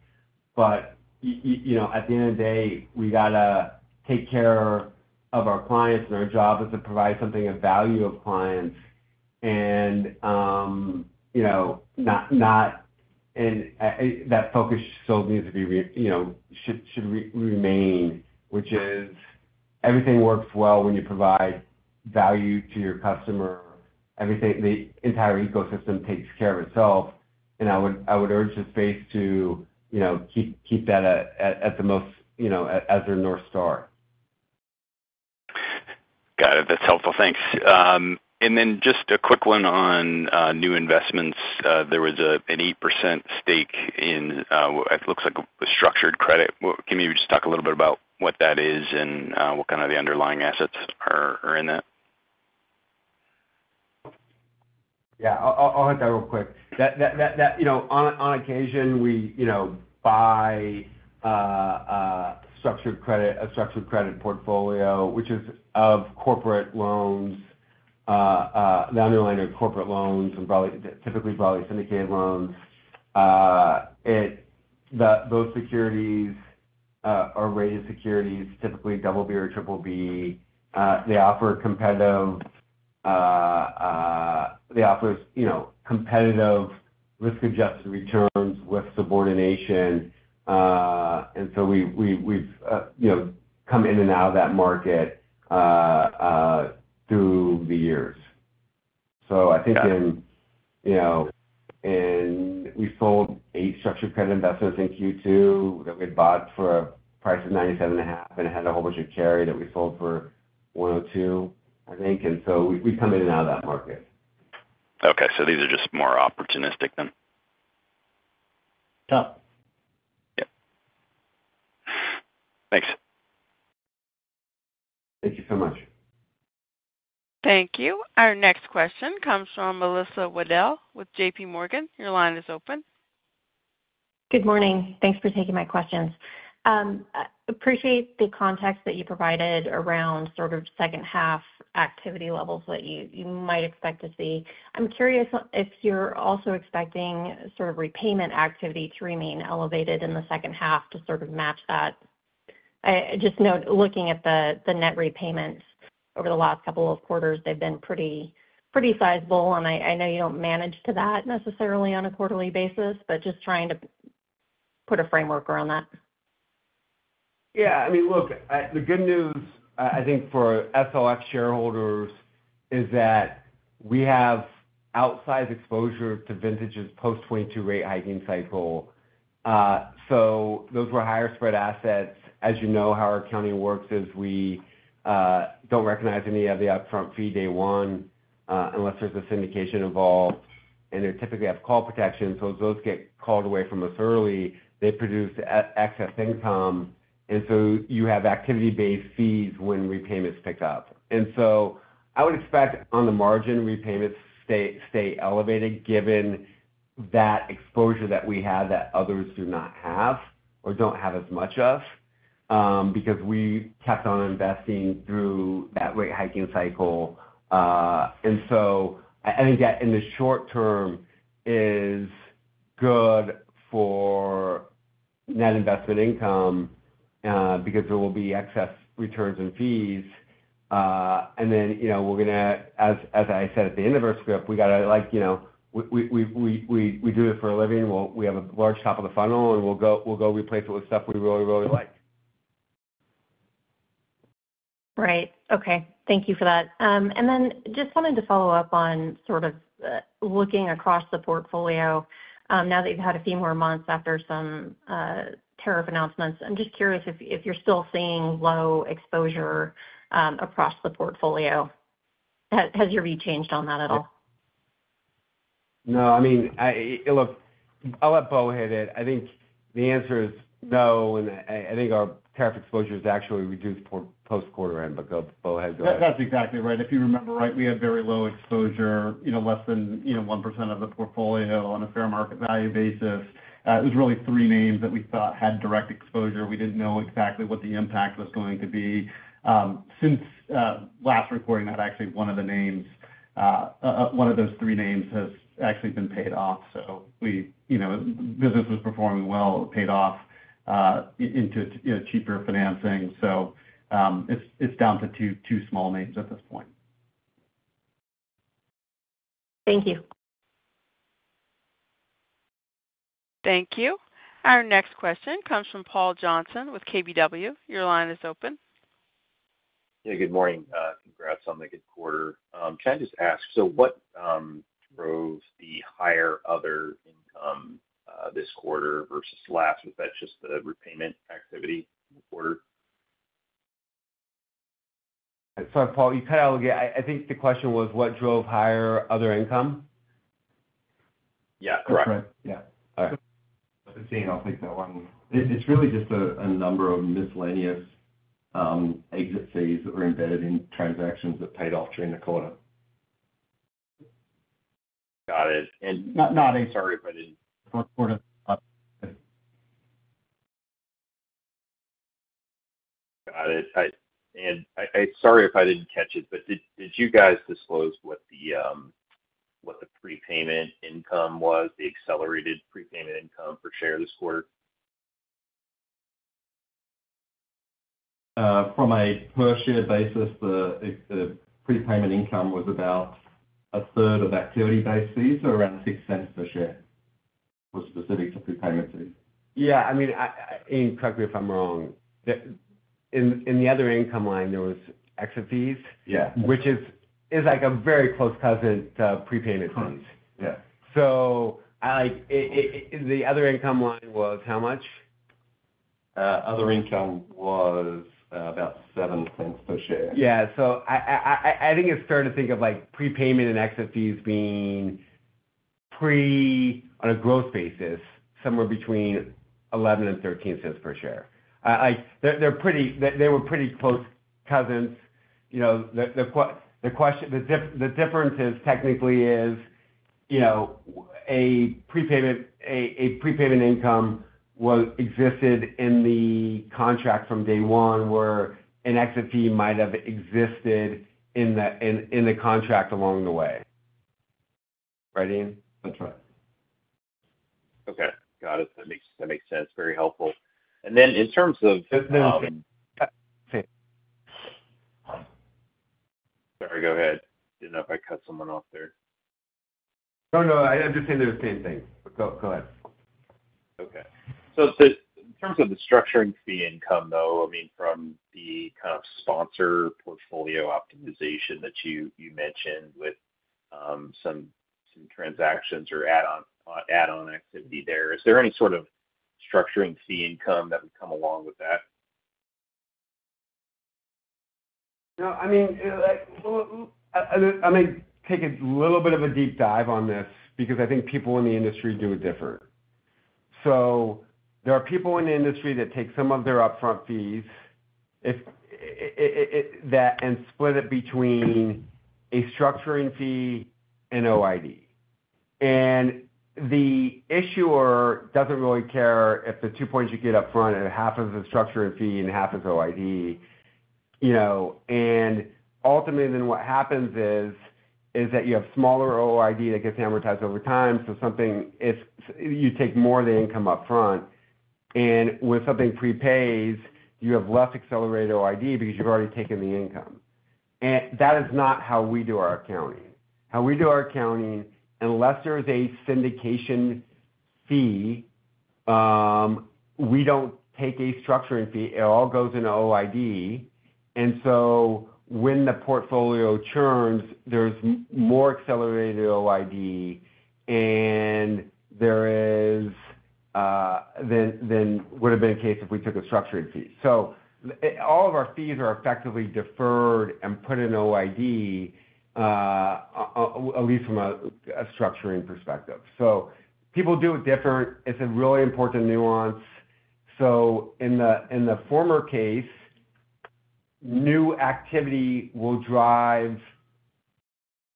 At the end of the day, we gotta take care of our clients and our job is to provide something of value to clients, and that focus should remain, which is everything works well when you provide value to your customer. The entire ecosystem takes care of itself. I would urge the space to keep that at the most as their north star. Got it. That's helpful, thanks. Just a quick one on new investments. There was an 8% stake in looks. Like a structured credit. Can you just talk a little bit about what that is and what kind of the underlying assets are in that? Yeah, I'll hit that real quick. On occasion we buy a structured credit portfolio which is of corporate loans. The underlying corporate loans, typically broadly syndicated loans, those securities are rated securities, typically BB or BBB. They offer competitive risk-adjusted returns with subordination. We've come in and out of that market through the years. I think we sold eight structured credit investments in Q2 that we bought for a price of $97.50 and had a whole bunch of carry that we sold for $102, I think. We've come in and out of that market. Okay, so these are just more opportunistic than tough. Thanks. Thank you so much. Thank you. Our next question comes from Melissa Waddell with JPMorgan. Your line is open. Good morning. Thanks for taking my questions. Appreciate the context that you provided around sort of second half activity levels that you might expect to see. I'm curious if you're also expecting sort of repayment activity to remain elevated in the second half to sort of match that. Just note looking at the net repayments over the last couple of quarters, they've been pretty sizable. I know you don't manage to that necessarily on a quarterly basis, but just trying to put a framework around that. Yeah, I mean, look, the good news I think for SLX shareholders is that we have outsized exposure to vintage assets post-2022 rate hiking cycle. Those were higher spread assets. As you know, how our accounting works is we don't recognize any of the upfront fee day one unless there's a syndication involved. They typically have call protection. As those get called away from us early, they produce excess income. You have activity-based fees when repayments pick up. I would expect on the margin repayments stay elevated given that exposure that we have that others do not have or don't have as much of because we kept on investing through that rate hiking cycle. I think that in the short term is good for net investment income because there will be excess returns and fees. We're going to, as I said at the end of our script, we got to, like we do it for a living. We have a large top of the funnel and we'll go replace it with stuff we really, really like. Right, okay, thank you for that. I just wanted to follow up on sort of looking across the portfolio now that you've had a few more months after some tariff announcements. I'm just curious if you're still seeing low exposure across the portfolio. Has your view changed on that at all? No. I mean, look, I'll let Bo hit it. I think the answer is no, and I think our tariff exposure is actually reduced post quarter end. But Bo, that's exactly right. If you remember right, we had very low exposure, less than 1% of the portfolio on a fair market value basis. It was really three names that we thought had direct exposure. We didn't know exactly what the impact was going to be since last recording that actually one of the names, one of those three names has actually been paid off. Business was performing well, paid off into cheaper financing. It's down to two small names at this point. Thank you. Thank you. Our next question comes from Paul Johnson with KBW. Your line is open. Good morning. Congrats on the good quarter. Can I just ask, what drove. The higher other income this quarter versus last, was that just the repayment activity quarter? Sorry, Paul, you cut out. I think the question was what drove higher other income. Yeah. Correct. All right, I'll take that one. It's really just a number of miscellaneous exit fees that were embedded in transactions that paid off during the quarter. Got it. Sorry if I didn't. Fourth quarter. Got it. Sorry if I didn't catch it. Did you guys disclose what the. What was the prepayment income? The accelerated prepayment income per share this quarter. From a per share basis, the prepayment. Income was about a third of activity. Base fees, or around $0.06 per share, was specific to prepayment fees. Yeah, I mean, correct me if I'm wrong, in the other income line there was exit fees, which is like a very close cousin to prepayment fees. The other income line was about $0.07 per share. I think it's fair to think of prepayment and exit fees being, on a gross basis, somewhere between $0.11 and $0.13 per share. They were pretty close cousins. The difference is, technically, prepayment income existed in the contract from day one, where an exit fee might have existed in the contract along the way. Right, Ian? That's right. Okay, got it. That makes sense. Very helpful. In terms of. Sorry, go ahead. Didn't know if I cut someone off there. I'm just saying they're the same thing. Go ahead. Okay, in terms of the structuring fee. Income, though, I mean, from the kind. Of sponsor portfolio optimization that you mentioned, with some transactions or add-on activity there, is there any sort of structuring fee income that would come along with that? I may take a little bit of a deep dive on this because I think people in the industry do it different. There are people in the industry that take some of their upfront fees and split it between a structuring fee and OID. The issuer doesn't really care if the two points you get up front, half is the structuring fee and half is OID. Ultimately, what happens is that you have smaller OID that gets amortized over time. You take more of the income up front, and when something prepays, you have less accelerated OID because you've already taken the income. That is not how we do our accounting. How we do our accounting, unless there is a syndication fee, we don't take a structuring fee. It all goes into OID. When the portfolio churns, there's more accelerated OID than would have been the case if we took a structuring fee. All of our fees are effectively deferred and put in OID, at least from a structuring perspective. People do it different. It's a really important nuance. In the former case, new activity will drive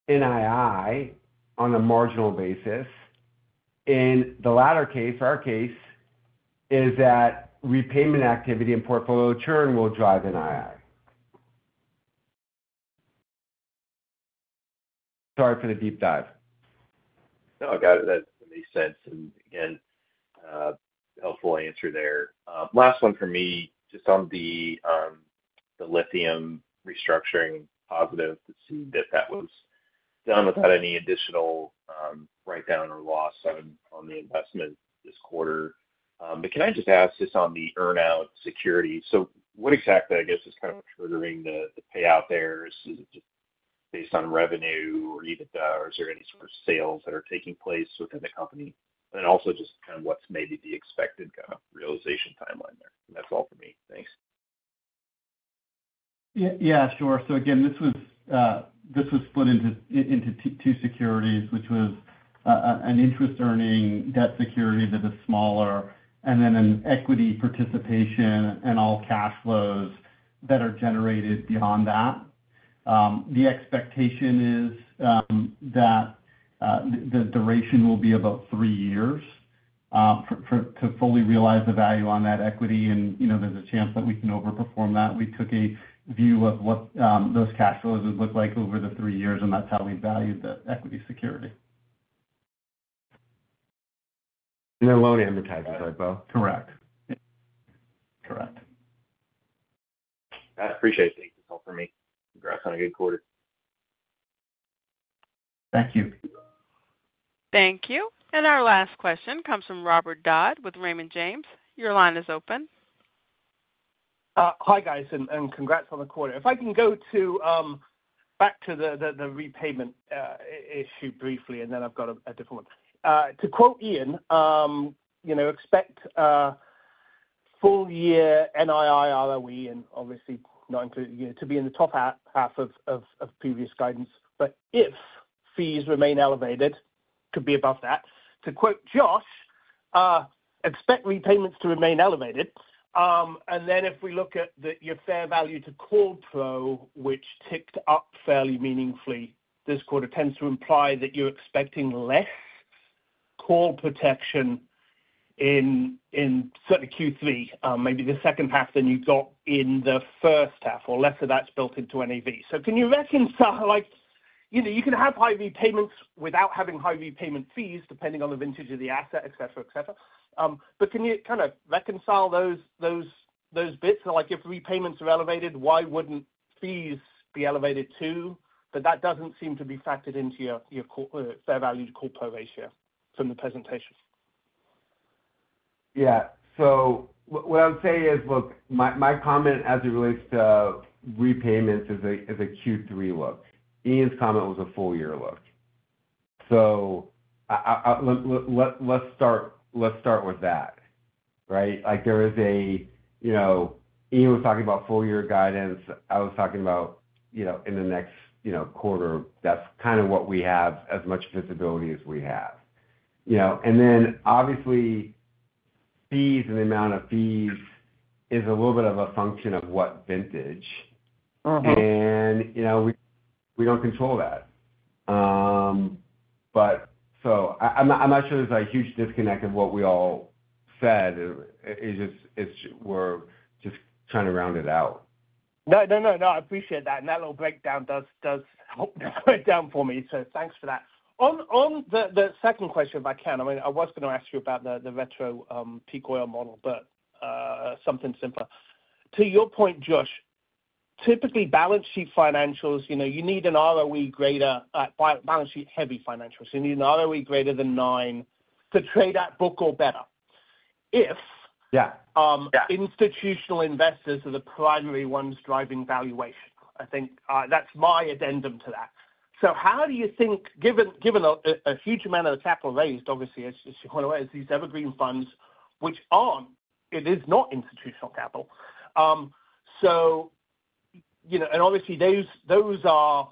NII on a marginal basis. In the latter case, our case is that repayment activity and portfolio churn will drive NII. Sorry for the deep dive. No, got it. That makes sense. Helpful answer there. Last one for me just on the Lithium restructuring, positive to see that. Was done without any additional write-down. Loss on the investment this quarter. Can I just ask this on the earn out security, what exactly is kind of triggering the payout there? Is it just based on revenue or EBITDA or is there any sort of sales that are taking place within the company, and also what's maybe the expected kind of realization timeline there? That's all for me, thanks. Yeah, sure. This was split into two securities, which was an interest earning debt security that is smaller and then an equity participation in all cash flows that are generated beyond that. The expectation is that the duration will be about three years to fully realize the value on that equity. There's a chance that we can over perform that. We took a view of what those cash flows would look like over the three years, and that's how we value the equity security. They're loan advisers, right Bo? Correct. Correct. I appreciate it. For me, congrats on a good quarter. Thank you. Thank you. Our last question comes from Robert Dodd with Raymond James. Your line is open. Hi guys. Congrats on the quarter. If I can go back to the repayment issue briefly, then I've got a different one. To quote Ian, expect full year NII ROE and obviously not included to be in the top half of previous guidance. If fees remain elevated, could be above that. To quote Josh, expect repayments to remain elevated. If we look at your fair value to call pro, which ticked up fairly meaningfully this quarter, it tends to imply that you're expecting less call protection in certain Q3, maybe the second half, than you got in the first half or less of that's built into NAV. Can you reconcile how you can have high repayments without having high repayment fees, depending on the vintage of the asset, etc. Etc. Can you kind of reconcile those bits? If repayments are elevated, why wouldn't fees be elevated too? That doesn't seem to be factored into your fair value corporate ratio from the presentation. Yeah, what I would say is, look, my comment as it relates to repayments is a Q3 look. Ian's comment was a full year look. So. Let's start with that, right? Like there is a, you know, Ian was talking about full year guidance. I was talking about, you know, in the next, you know, quarter. That's kind of what we have as much visibility as we have, and then obviously fees and the amount of fees is a little bit of a function of what vintage and we don't control that. I'm not sure there's a huge disconnect of what we all said. We're just trying to round it out. No, no, no, no. I appreciate that and that little breakdown does break down for me. Thanks for that. On the second question, if I can, I was going to ask you about the retro peak oil model, but something simpler. To your point, Josh, typically balance sheet financials, you need a balance sheet heavy financial, so you need an ROE greater than 9% to trade at book or better if institutional investors are the primary ones driving valuation. I think that's my addendum to that. How do you think, given a huge amount of the capital raised obviously is these evergreen funds, which aren't. It is not institutional capital. Obviously those are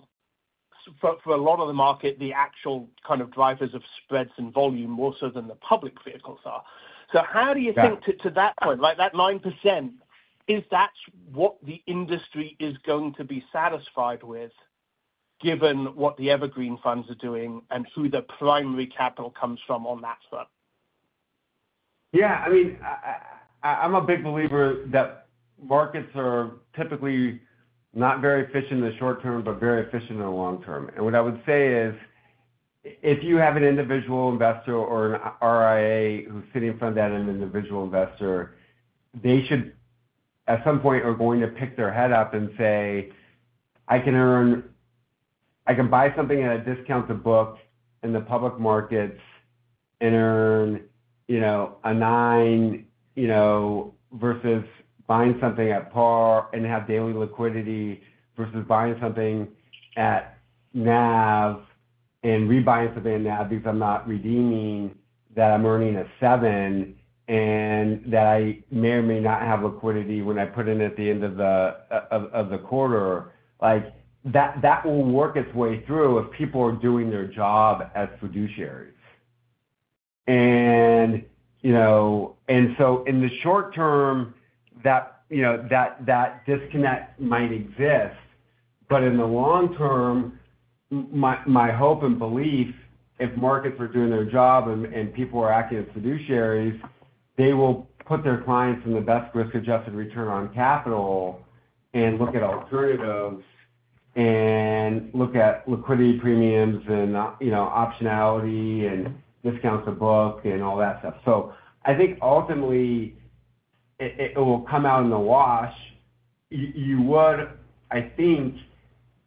for a lot of the market, the actual drivers of spreads and volume, more so than the public vehicles are. How do you think to that point that 9%, is that what the industry is going to be satisfied with, given what the evergreen funds are doing and who the primary capital comes from on that front? Yeah. I mean, I'm a big believer that markets are typically not very efficient in the short term, but very efficient in the long term. What I would say is if you have an individual investor or an RIA who's sitting in front of that individual investor, they should at some point pick their head up and say, I can buy something at a discount to book in the public markets and earn a 9% versus buying something at par and have daily liquidity versus buying something at NAV and rebuying something at NAV because I'm not redeeming that, I'm earning a 7% and I may or may not have liquidity when I put in at the end of the quarter. That will work its way through. If people are doing their job as fiduciaries in the short term, that disconnect might exist. In the long term, my hope and belief, if markets are doing their job and people are acting as fiduciaries, they will put their clients in the best risk-adjusted return on capital and look at alternatives and look at liquidity, premiums and optionality and discounts to book and all that stuff. I think ultimately it will come out in the wash. You would, I think,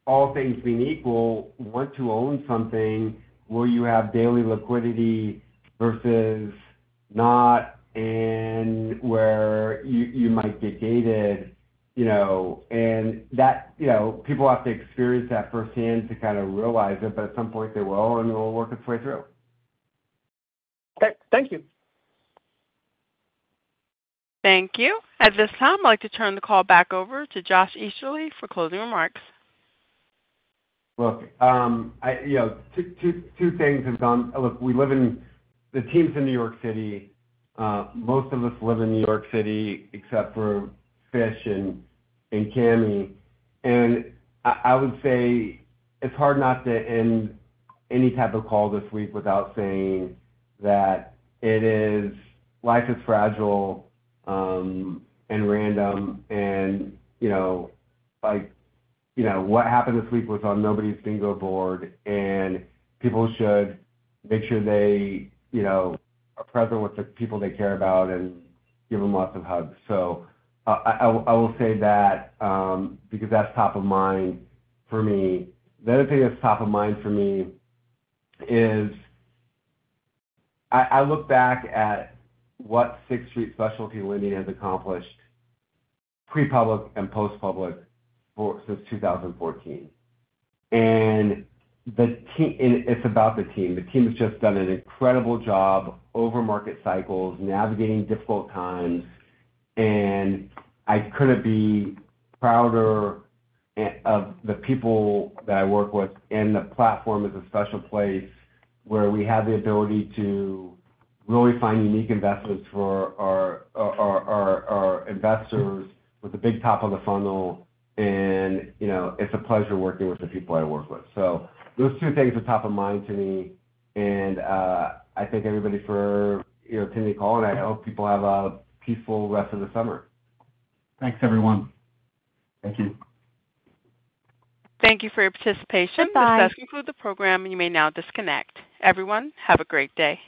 all things being equal, want to own something where you have daily liquidity versus not and where you might get gated. People have to experience that firsthand to kind of realize it, but at some point they will and it will work its way through. Okay, thank you. Thank you. At this time, I'd like to turn the call back over to Joshua Easterly for closing remarks. Look, two things have gone. We live in the teams in New York City. Most of us live in New York City except for Fish and Cami. I would say it's hard not to end any type of call this week without saying that it is. Life is fragile and random, and what happened this week was on nobody's bingo board. People should make sure they are present with the people they care about and give them lots of hugs. I will say that because that's top of mind for me. The other thing that's top of mind for me is I look back at what Sixth Street Specialty Lending has accomplished pre-public and post-public since 2014, and it's about the team. The team has just done an incredible job over market cycles navigating difficult times, and I couldn't be prouder of the people that I work with. The platform is a special place where we have the ability to really find unique investments for our investors with the big top of the funnel. It's a pleasure working with the people I work with. Those two things are top of mind to me, and I thank everybody for taking the call. I hope people have a peaceful rest of the summer. Thanks everyone. Thank you. Thank you for your participation. This does conclude the program and you may now disconnect. Everyone, have a great day.